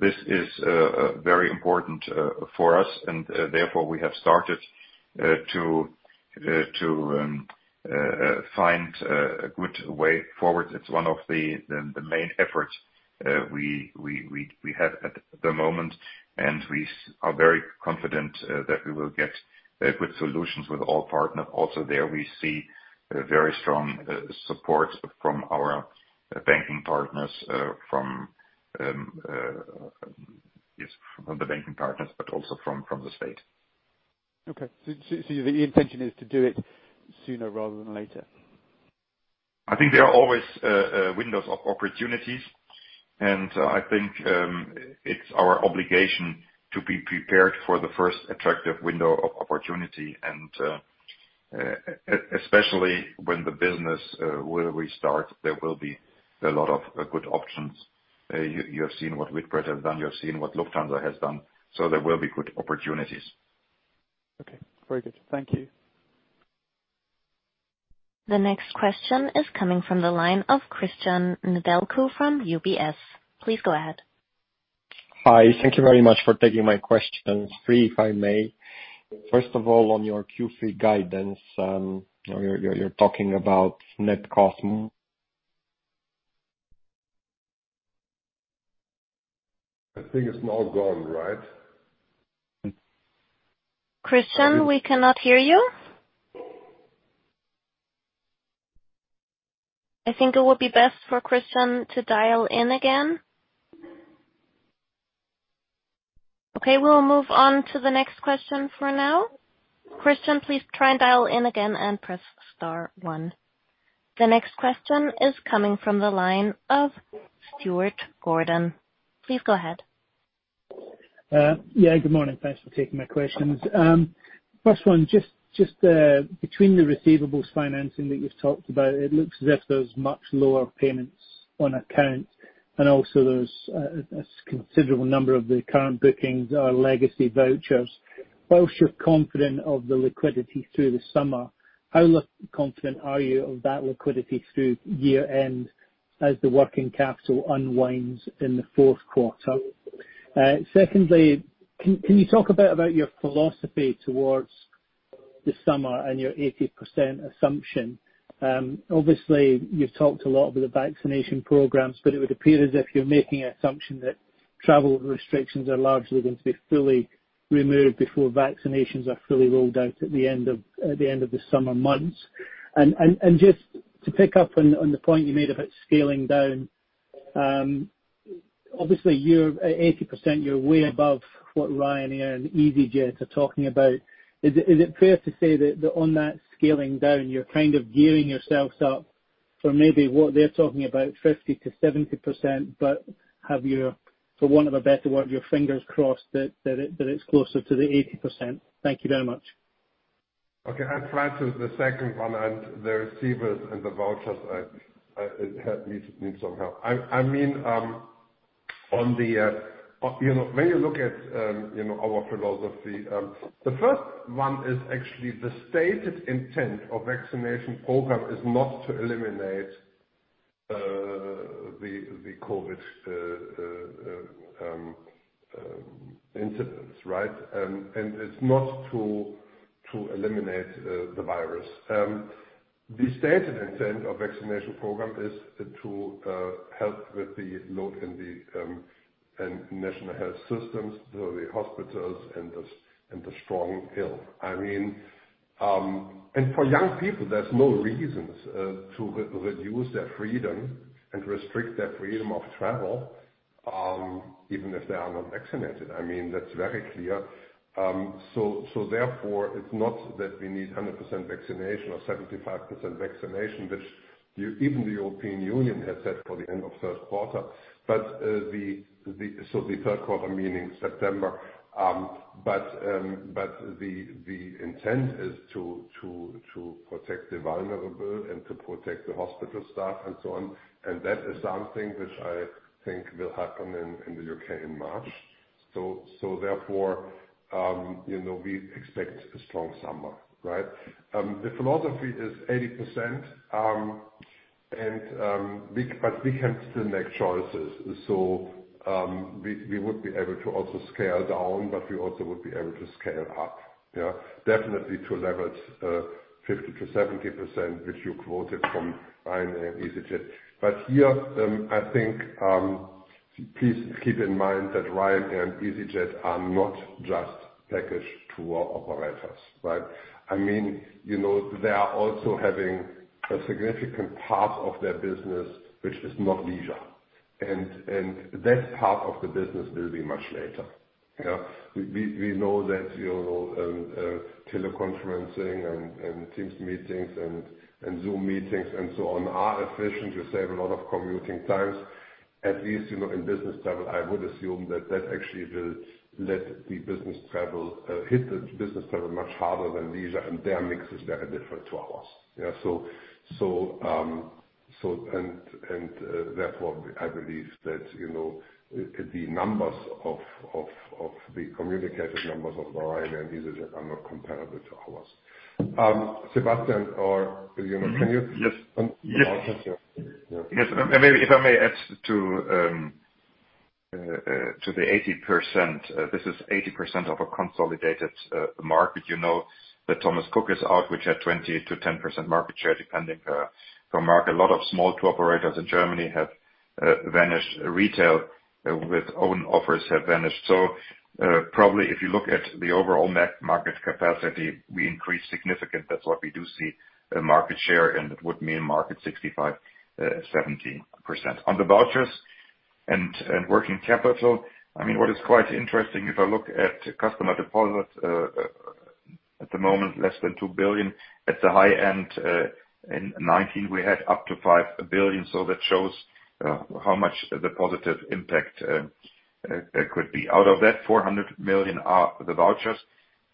this is very important for us and therefore we have started to find a good way forward. It's one of the main efforts we have at the moment, and we are very confident that we will get good solutions with all partners. Also there we see very strong support from our banking partners, but also from the state.
Okay. The intention is to do it sooner rather than later?
I think there are always windows of opportunities, and I think it's our obligation to be prepared for the first attractive window of opportunity and especially when the business will restart, there will be a lot of good options. You have seen what Lufthansa has done, so there will be good opportunities.
Okay. Very good. Thank you.
The next question is coming from the line of Cristian Nedelcu from UBS. Please go ahead.
Hi. Thank you very much for taking my question. Three, if I may. First of all, on your Q3 guidance, you're talking about net cost.
I think it's now gone, right?
Cristian, we cannot hear you. I think it would be best for Cristian to dial in again. Okay, we'll move on to the next question for now. Cristian, please try and dial in again and press star one. The next question is coming from the line of Stuart Gordon. Please go ahead.
Yeah, good morning. Thanks for taking my questions. First one, just between the receivables financing that you've talked about, it looks as if there's much lower payments on account, and also there's a considerable number of the current bookings are legacy vouchers. Whilst you're confident of the liquidity through the summer, how confident are you of that liquidity through year end as the working capital unwinds in the fourth quarter? Secondly, can you talk a bit about your philosophy towards the summer and your 80% assumption? Obviously you've talked a lot with the vaccination programs, but it would appear as if you're making an assumption that travel restrictions are largely going to be fully removed before vaccinations are fully rolled out at the end of the summer months. Just to pick up on the point you made about scaling down? You're way above what Ryanair and easyJet are talking about. Is it fair to say that on that scaling down, you're kind of gearing yourselves up for maybe what they're talking about, 50%-70%, have your, for want of a better word, your fingers crossed that it's closer to the 80%? Thank you very much.
Okay. I'll try to the second one. The receivers and the vouchers need some help. When you look at our philosophy, the first one is actually the stated intent of vaccination program is not to eliminate the COVID-19 incidence. It's not to eliminate the virus. The stated intent of vaccination program is to help with the load in the national health systems, the hospitals and the strong ill. For young people, there's no reasons to reduce their freedom and restrict their freedom of travel, even if they are not vaccinated. That's very clear. Therefore, it's not that we need 100% vaccination or 75% vaccination, which even the European Union had said for the end of first quarter. The third quarter meaning September. The intent is to protect the vulnerable and to protect the hospital staff and so on, and that is something which I think will happen in the U.K. in March. Therefore, we expect a strong summer. Right? The philosophy is 80%, but we can still make choices. We would be able to also scale down, but we also would be able to scale up. Definitely to levels 50%-70%, which you quoted from Ryanair and easyJet. Here, please keep in mind that Ryanair and easyJet are not just package tour operators. Right? They are also having a significant part of their business, which is not leisure. That part of the business will be much later. We know that teleconferencing and Teams meetings and Zoom meetings and so on are efficient. You save a lot of commuting times. At least, in business travel, I would assume that that actually will hit the business travel much harder than leisure. Their mix is very different to ours. Yeah. Therefore, I believe that the communicated numbers of Ryanair and easyJet are not comparable to ours. Sebastian or Julian?
Yes. If I may add to the 80%. This is 80% of a consolidated market. You know that Thomas Cook is out, which had 20%-10% market share, depending per market. A lot of small tour operators in Germany have vanished. Retail with own offers have vanished. Probably if you look at the overall net market capacity, we increased significant. That's what we do see, market share, and it would mean market 65%, 70%. On the vouchers and working capital, what is quite interesting, if I look at customer deposits, at the moment less than 2 billion. At the high end, in 2019, we had up to 5 billion. That shows how much the positive impact could be. Out of that 400 million are the vouchers.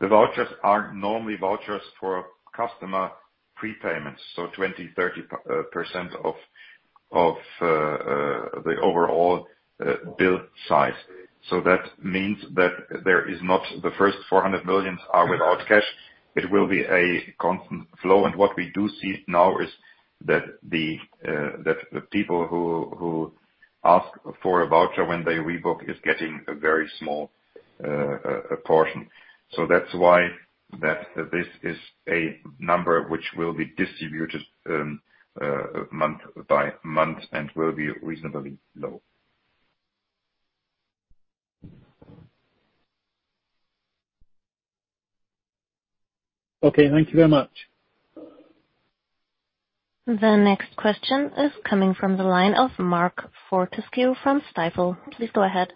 The vouchers are normally vouchers for customer prepayments, so 20%, 30% of the overall build size. That means that the first 400 million are without cash. It will be a constant flow. What we do see now is that the people who ask for a voucher when they rebook is getting a very small portion. That's why this is a number which will be distributed month by month and will be reasonably low.
Okay. Thank you very much.
The next question is coming from the line of Mark Fortescue from Stifel. Please go ahead.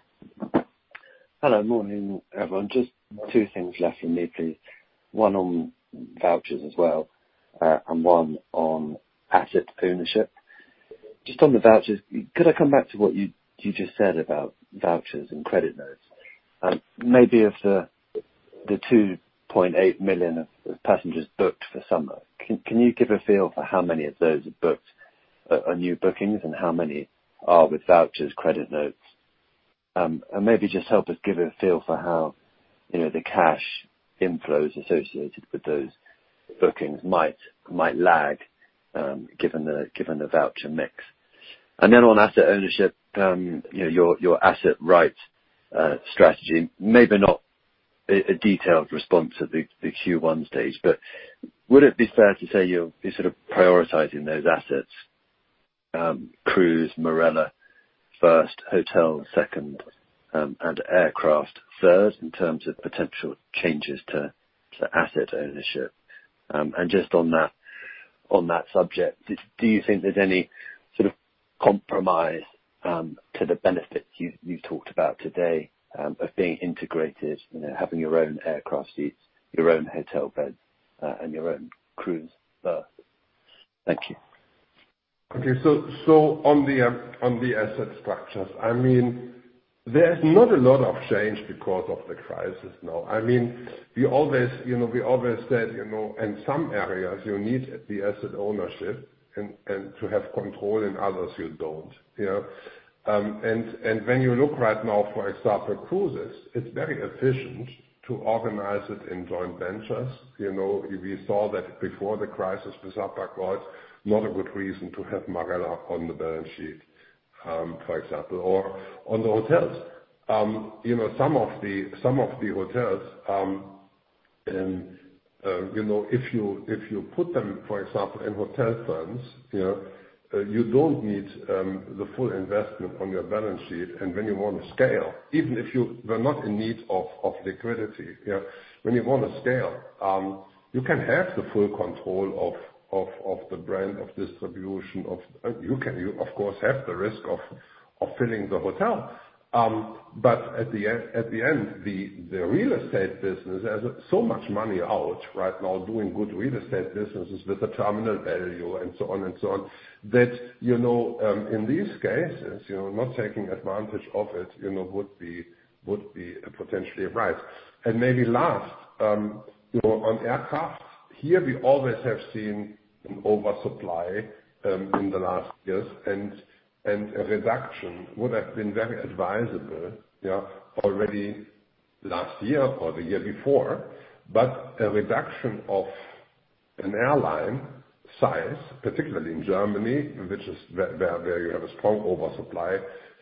Hello. Morning, everyone. Just two things left from me, please. One on vouchers as well, and one on asset ownership. Just on the vouchers, could I come back to what you just said about vouchers and credit notes? Maybe of the 2.8 million passengers booked for summer, can you give a feel for how many of those are booked on new bookings and how many are with vouchers, credit notes? Maybe just help us give a feel for how the cash inflows associated with those bookings might lag, given the voucher mix. Then on asset ownership, your asset rights strategy. Maybe not a detailed response at the Q1 stage, but would it be fair to say you'll be sort of prioritizing those assets, cruise Marella first, hotel second, and aircraft third, in terms of potential changes to asset ownership? Just on that subject, do you think there's any sort of compromise to the benefits you've talked about today of being integrated, having your own aircraft seats, your own hotel beds, and your own cruise berth? Thank you.
Okay. On the asset structures, there's not a lot of change because of the crisis now. We always said, in some areas, you need the asset ownership, and to have control in others, you don't. When you look right now, for example, cruises, it's very efficient to organize it in joint ventures. We saw that before the crisis with AIDA Cruises. Not a good reason to have Marella on the balance sheet, for example, or on the hotels. Some of the hotels, if you put them, for example, in hotel funds, you don't need the full investment on your balance sheet. When you want to scale, even if you were not in need of liquidity, when you want to scale, you can have the full control of the brand, of distribution. You can, of course, have the risk of filling the hotel. At the end, the real estate business has so much money out right now doing good real estate businesses with a terminal value and so on and so on, that in these cases, not taking advantage of it would be potentially right. Maybe last, on aircraft, here we always have seen an oversupply in the last years, and a reduction would have been very advisable already last year or the year before. A reduction of an airline size, particularly in Germany, which is where you have a strong oversupply,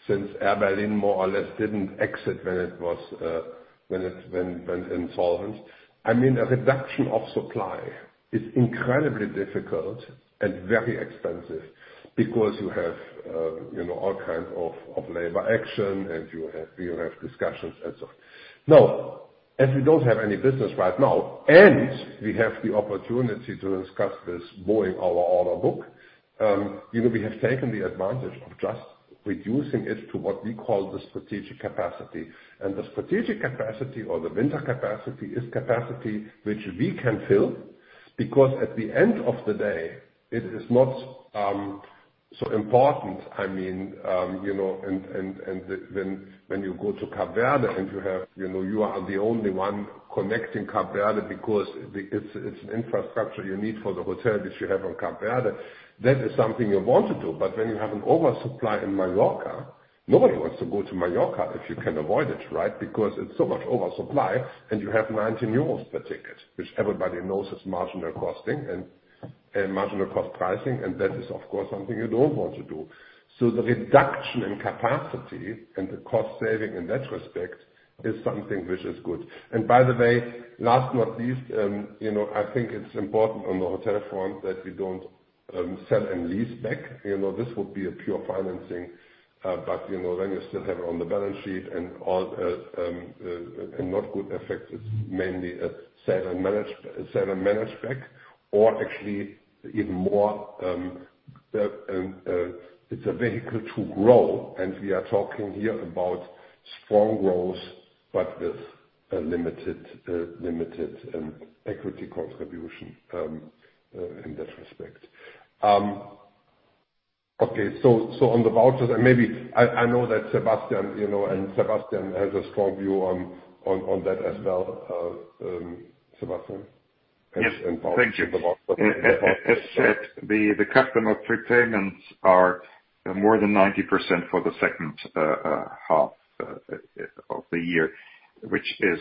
since Air Berlin more or less didn't exit when it went insolvent. A reduction of supply is incredibly difficult and very expensive because you have all kinds of labor action, and you have discussions and so on. As we don't have any business right now, and we have the opportunity to discuss this Boeing order book. We have taken the advantage of just reducing it to what we call the strategic capacity. The strategic capacity or the winter capacity is capacity which we can fill, because at the end of the day, it is not so important. When you go to Cape Verde and you are the only one connecting Cape Verde because it's an infrastructure you need for the hotel which you have on Cape Verde, that is something you want to do. When you have an oversupply in Mallorca, nobody wants to go to Mallorca if you can avoid it, right? It's so much oversupply, and you have 19 euros per ticket, which everybody knows is marginal cost pricing, and that is, of course, something you don't want to do. The reduction in capacity and the cost saving in that respect is something which is good. By the way, last but not least, I think it's important on the hotel front that we don't sell and lease back. This would be a pure financing, but then you still have it on the balance sheet and not good effect. It's mainly a sell and manage back or actually even more, it's a vehicle to grow. We are talking here about strong growth, but with a limited equity contribution in that respect. Okay. On the vouchers, I know that Sebastian has a strong view on that as well. Sebastian?
Yes. Thank you. As said, the customer prepayments are more than 90% for the second half of the year, which is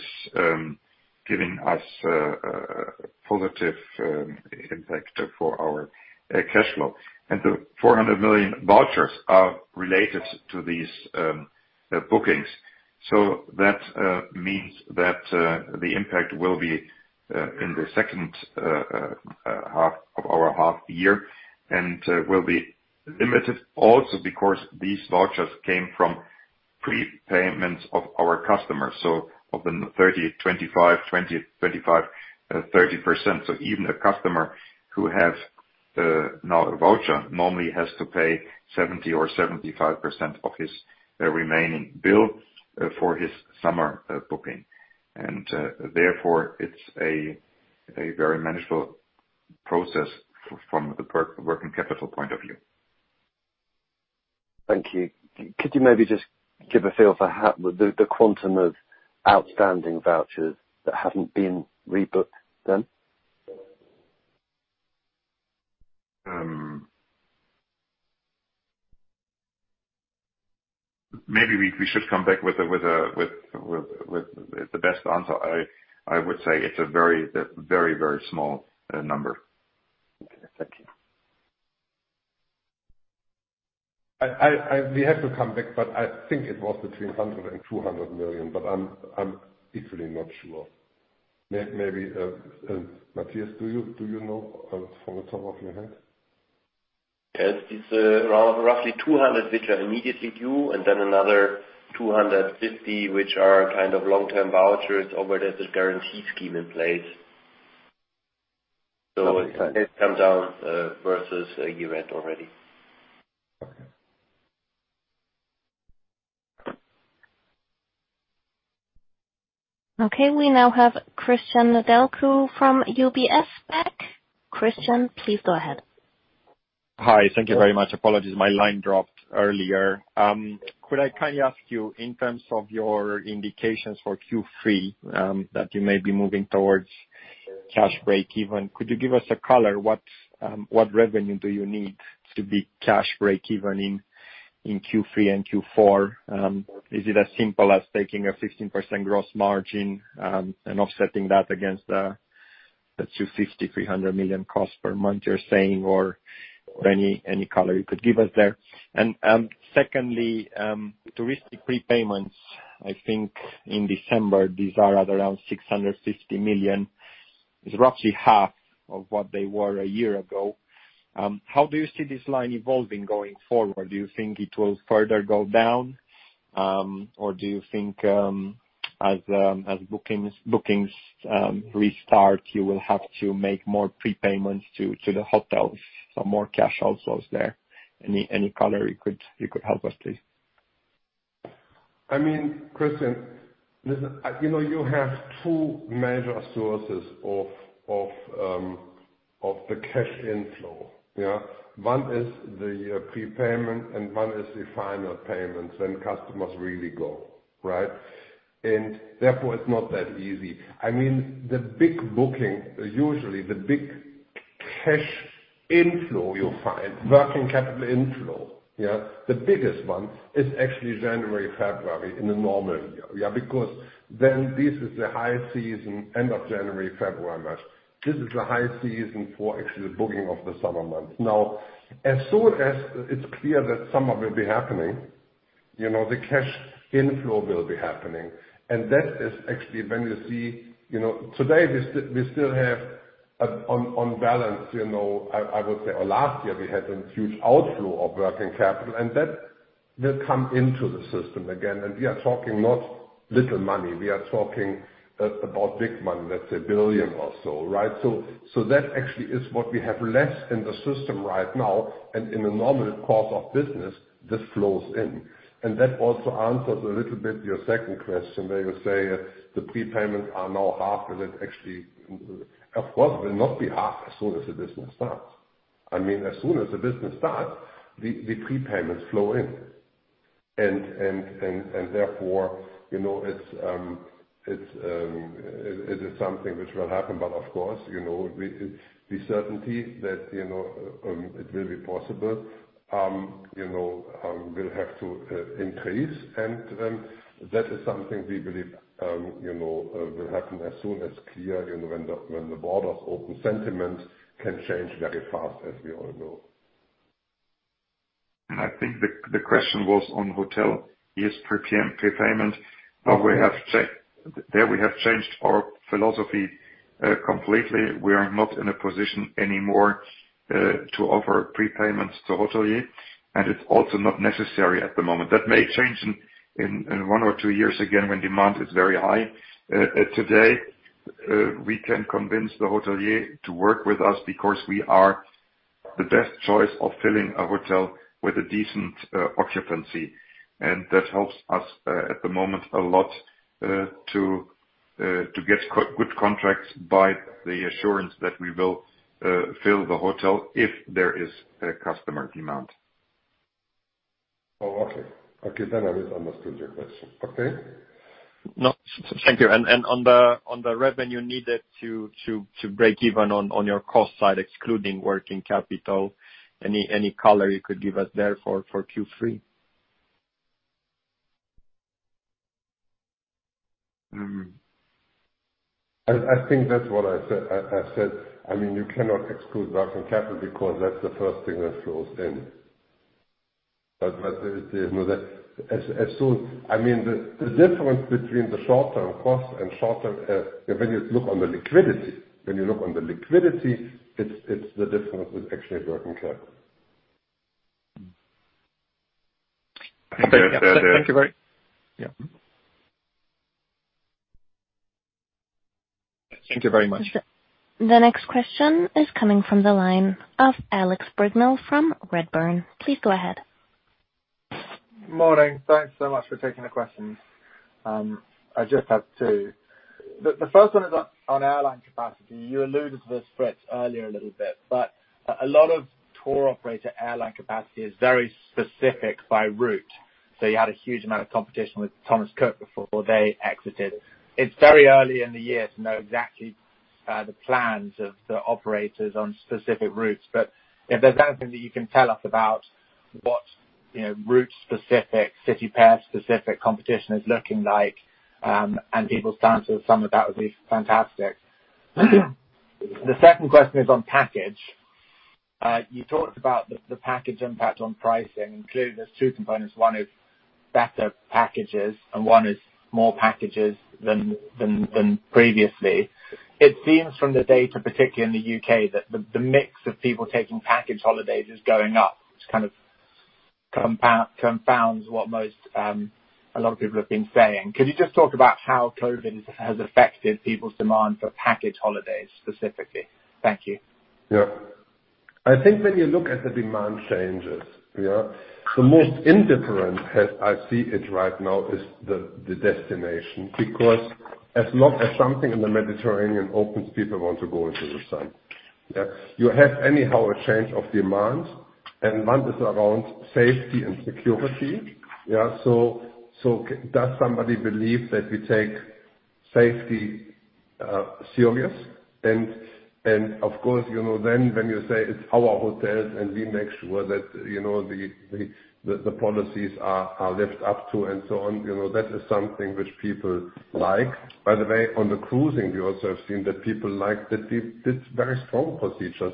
giving us a positive impact for our cash flow. The 400 million vouchers are related to these bookings. That means that the impact will be in the second half of our half year and will be limited also because these vouchers came from prepayments of our customers, so of the 30%, 25%, 20%, 25%, 30%. Even a customer who has now a voucher normally has to pay 70% or 75% of his remaining bill for his summer booking. Therefore it's a very manageable process from the working capital point of view.
Thank you. Could you maybe just give a feel for the quantum of outstanding vouchers that haven't been rebooked then?
Maybe we should come back with the best answer. I would say it's a very small number.
Okay. Thank you.
We have to come back, but I think it was between 100 million and 200 million, but I'm equally not sure. Maybe Mathias, do you know off the top of your head?
Yes. It's around roughly 200 which are immediately due, and then another 250 which are long-term vouchers over there's a guarantee scheme in place. It comes down versus year end already.
Okay.
Okay, we now have Cristian Nedelcu from UBS back. Cristian, please go ahead.
Hi. Thank you very much. Apologies, my line dropped earlier. Could I kindly ask you in terms of your indications for Q3 that you may be moving towards cash break-even? Could you give us a color? What revenue do you need to be cash break even in Q3 and Q4? Is it as simple as taking a 15% gross margin and offsetting that's 250 million-300 million cost per month you're saying? Or any color you could give us there? Secondly, touristic prepayments, I think in December, these are at around 650 million. It's roughly half of what they were a year ago. How do you see this line evolving going forward? Do you think it will further go down? Or do you think as bookings restart, you will have to make more prepayments to the hotels, so more cash outflows there. Any color you could help us, please?
Cristian, listen, you have two major sources of the cash inflow. One is the prepayment and one is the final payment, when customers really go. Therefore, it's not that easy. The big booking, usually the big cash inflow you'll find, working capital inflow, the biggest one is actually January, February in a normal year. Because then this is the high season, end of January, February, March. This is the high season for actually the booking of the summer months. Now, as soon as it's clear that summer will be happening, the cash inflow will be happening. Today, we still have on balance, I would say, or last year we had a huge outflow of working capital, and that will come into the system again. We are talking not little money, we are talking about big money. Let's say 1 billion or so. That actually is what we have left in the system right now, and in the normal course of business, this flows in. That also answers a little bit your second question, where you say the prepayments are now half. Of course, it will not be half as soon as the business starts. As soon as the business starts, the prepayments flow in. Therefore, it is something which will happen, but of course, the certainty that it will be possible will have to increase. That is something we believe will happen as soon as clear when the borders open. Sentiment can change very fast, as we all know.
I think the question was on hoteliers prepayment. There we have changed our philosophy completely. We are not in a position anymore to offer prepayments to hoteliers, and it's also not necessary at the moment. That may change in one or two years again, when demand is very high. Today, we can convince the hotelier to work with us because we are the best choice of filling a hotel with a decent occupancy. That helps us at the moment a lot to get good contracts by the assurance that we will fill the hotel if there is a customer demand.
Oh, okay. Okay. I misunderstood your question. Okay.
No. Thank you. On the revenue needed to break even on your cost side, excluding working capital, any color you could give us there for Q3?
I think that's what I've said. You cannot exclude working capital because that's the first thing that flows in. The difference between the short-term cost, when you look on the liquidity, it's the difference with actually working capital.
Thank you.
Thank you very much.
The next question is coming from the line of Alex Brignall from Redburn. Please go ahead.
Morning. Thanks so much for taking the questions. I just have two. The first one is on airline capacity. You alluded to this, Fritz, earlier a little bit, but a lot of tour operator airline capacity is very specific by route. You had a huge amount of competition with Thomas Cook before they exited. It's very early in the year to know exactly the plans of the operators on specific routes. If there's anything that you can tell us about what route-specific, city pair-specific competition is looking like, and people's stance on some of that would be fantastic. The second question is on package. You talked about the package impact on pricing. Clearly, there's two components. One is better packages, and one is more packages than previously. It seems from the data, particularly in the U.K., that the mix of people taking package holidays is going up, which kind of confounds what a lot of people have been saying. Could you just talk about how COVID has affected people's demand for package holidays specifically? Thank you.
Yeah. I think when you look at the demand changes, the most indifferent as I see it right now is the destination, because as long as something in the Mediterranean opens, people want to go into the sun. You have anyhow a change of demand, one is around safety and security. Does somebody believe that we take safety serious. Of course, when you say it's our hotels and we make sure that the policies are lived up to and so on, that is something which people like. By the way, on the cruising, we also have seen that people like that it's very strong procedures.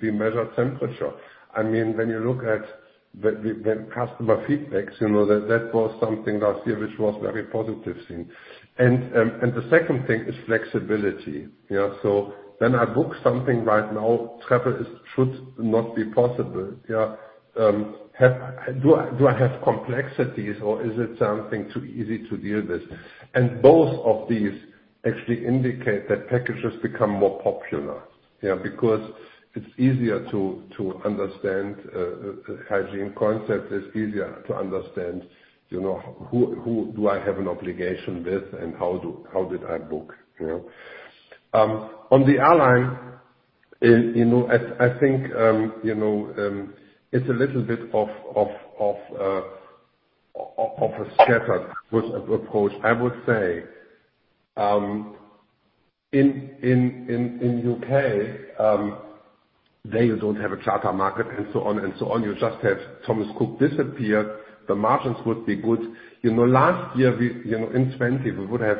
We measure temperature. When you look at the customer feedbacks, that was something last year which was very positive seen. The second thing is flexibility. When I book something right now, travel should not be possible. Do I have complexities or is it something too easy to deal with? Both of these actually indicate that packages become more popular. Because it's easier to understand a hygiene concept. It's easier to understand who do I have an obligation with and how did I book? On the airline, I think it's a little bit of a scattered approach. I would say in U.K., there you don't have a charter market and so on. You just have Thomas Cook disappear, the margins would be good. Last year in 2020, we would have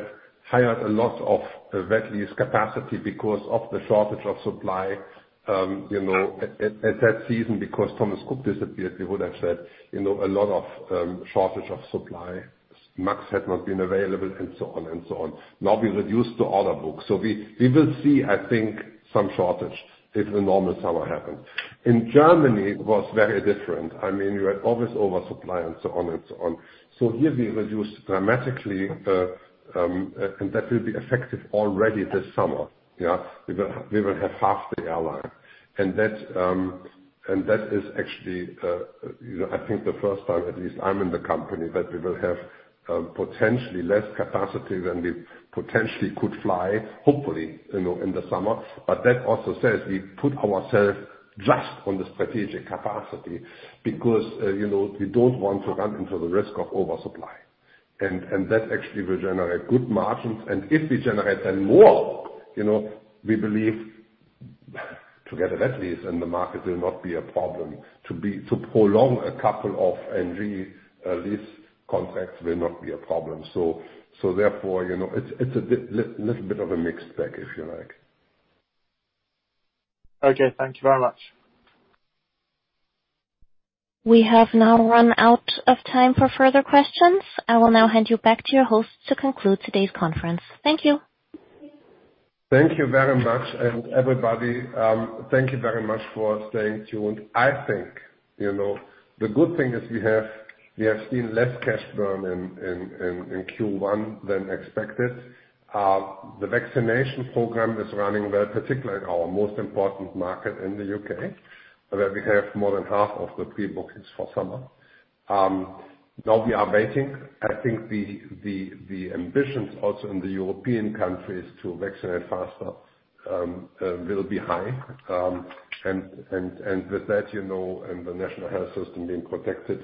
hired a lot of wet lease capacity because of the shortage of supply at that season because Thomas Cook disappeared, we would have said a lot of shortage of supply. MAX had not been available and so on. We reduced the order book. We will see, I think, some shortage if a normal summer happens. In Germany, it was very different. You had always oversupply and so on. Here we reduced dramatically, and that will be effective already this summer. We will have half the airline. That is actually I think the first time, at least I'm in the company, that we will have potentially less capacity than we potentially could fly, hopefully in the summer. That also says we put ourself just on the strategic capacity because we don't want to run into the risk of oversupply. That actually will generate good margins. If we generate then more, we believe to get a wet lease in the market will not be a problem. To prolong a couple of NG lease contracts will not be a problem. Therefore, it's a little bit of a mixed bag, if you like.
Okay. Thank you very much.
We have now run out of time for further questions. I will now hand you back to your host to conclude today's conference. Thank you.
Thank you very much. Everybody, thank you very much for staying tuned. I think the good thing is we have seen less cash burn in Q1 than expected. The vaccination program is running well, particularly in our most important market in the U.K., where we have more than half of the pre-bookings for summer. Now we are waiting. I think the ambitions also in the European countries to vaccinate faster will be high. With that and the national health system being protected,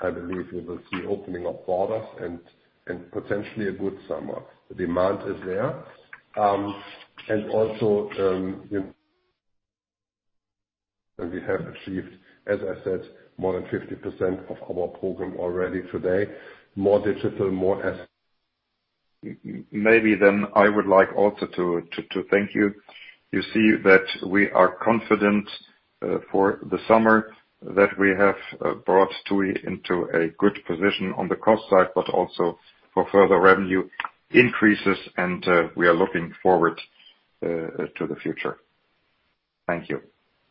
I believe we will see opening of borders and potentially a good summer. The demand is there. Also, we have achieved, as I said, more than 50% of our program already today. More digital. Maybe I would like also to thank you. You see that we are confident for the summer that we have brought TUI into a good position on the cost side, but also for further revenue increases and we are looking forward to the future. Thank you.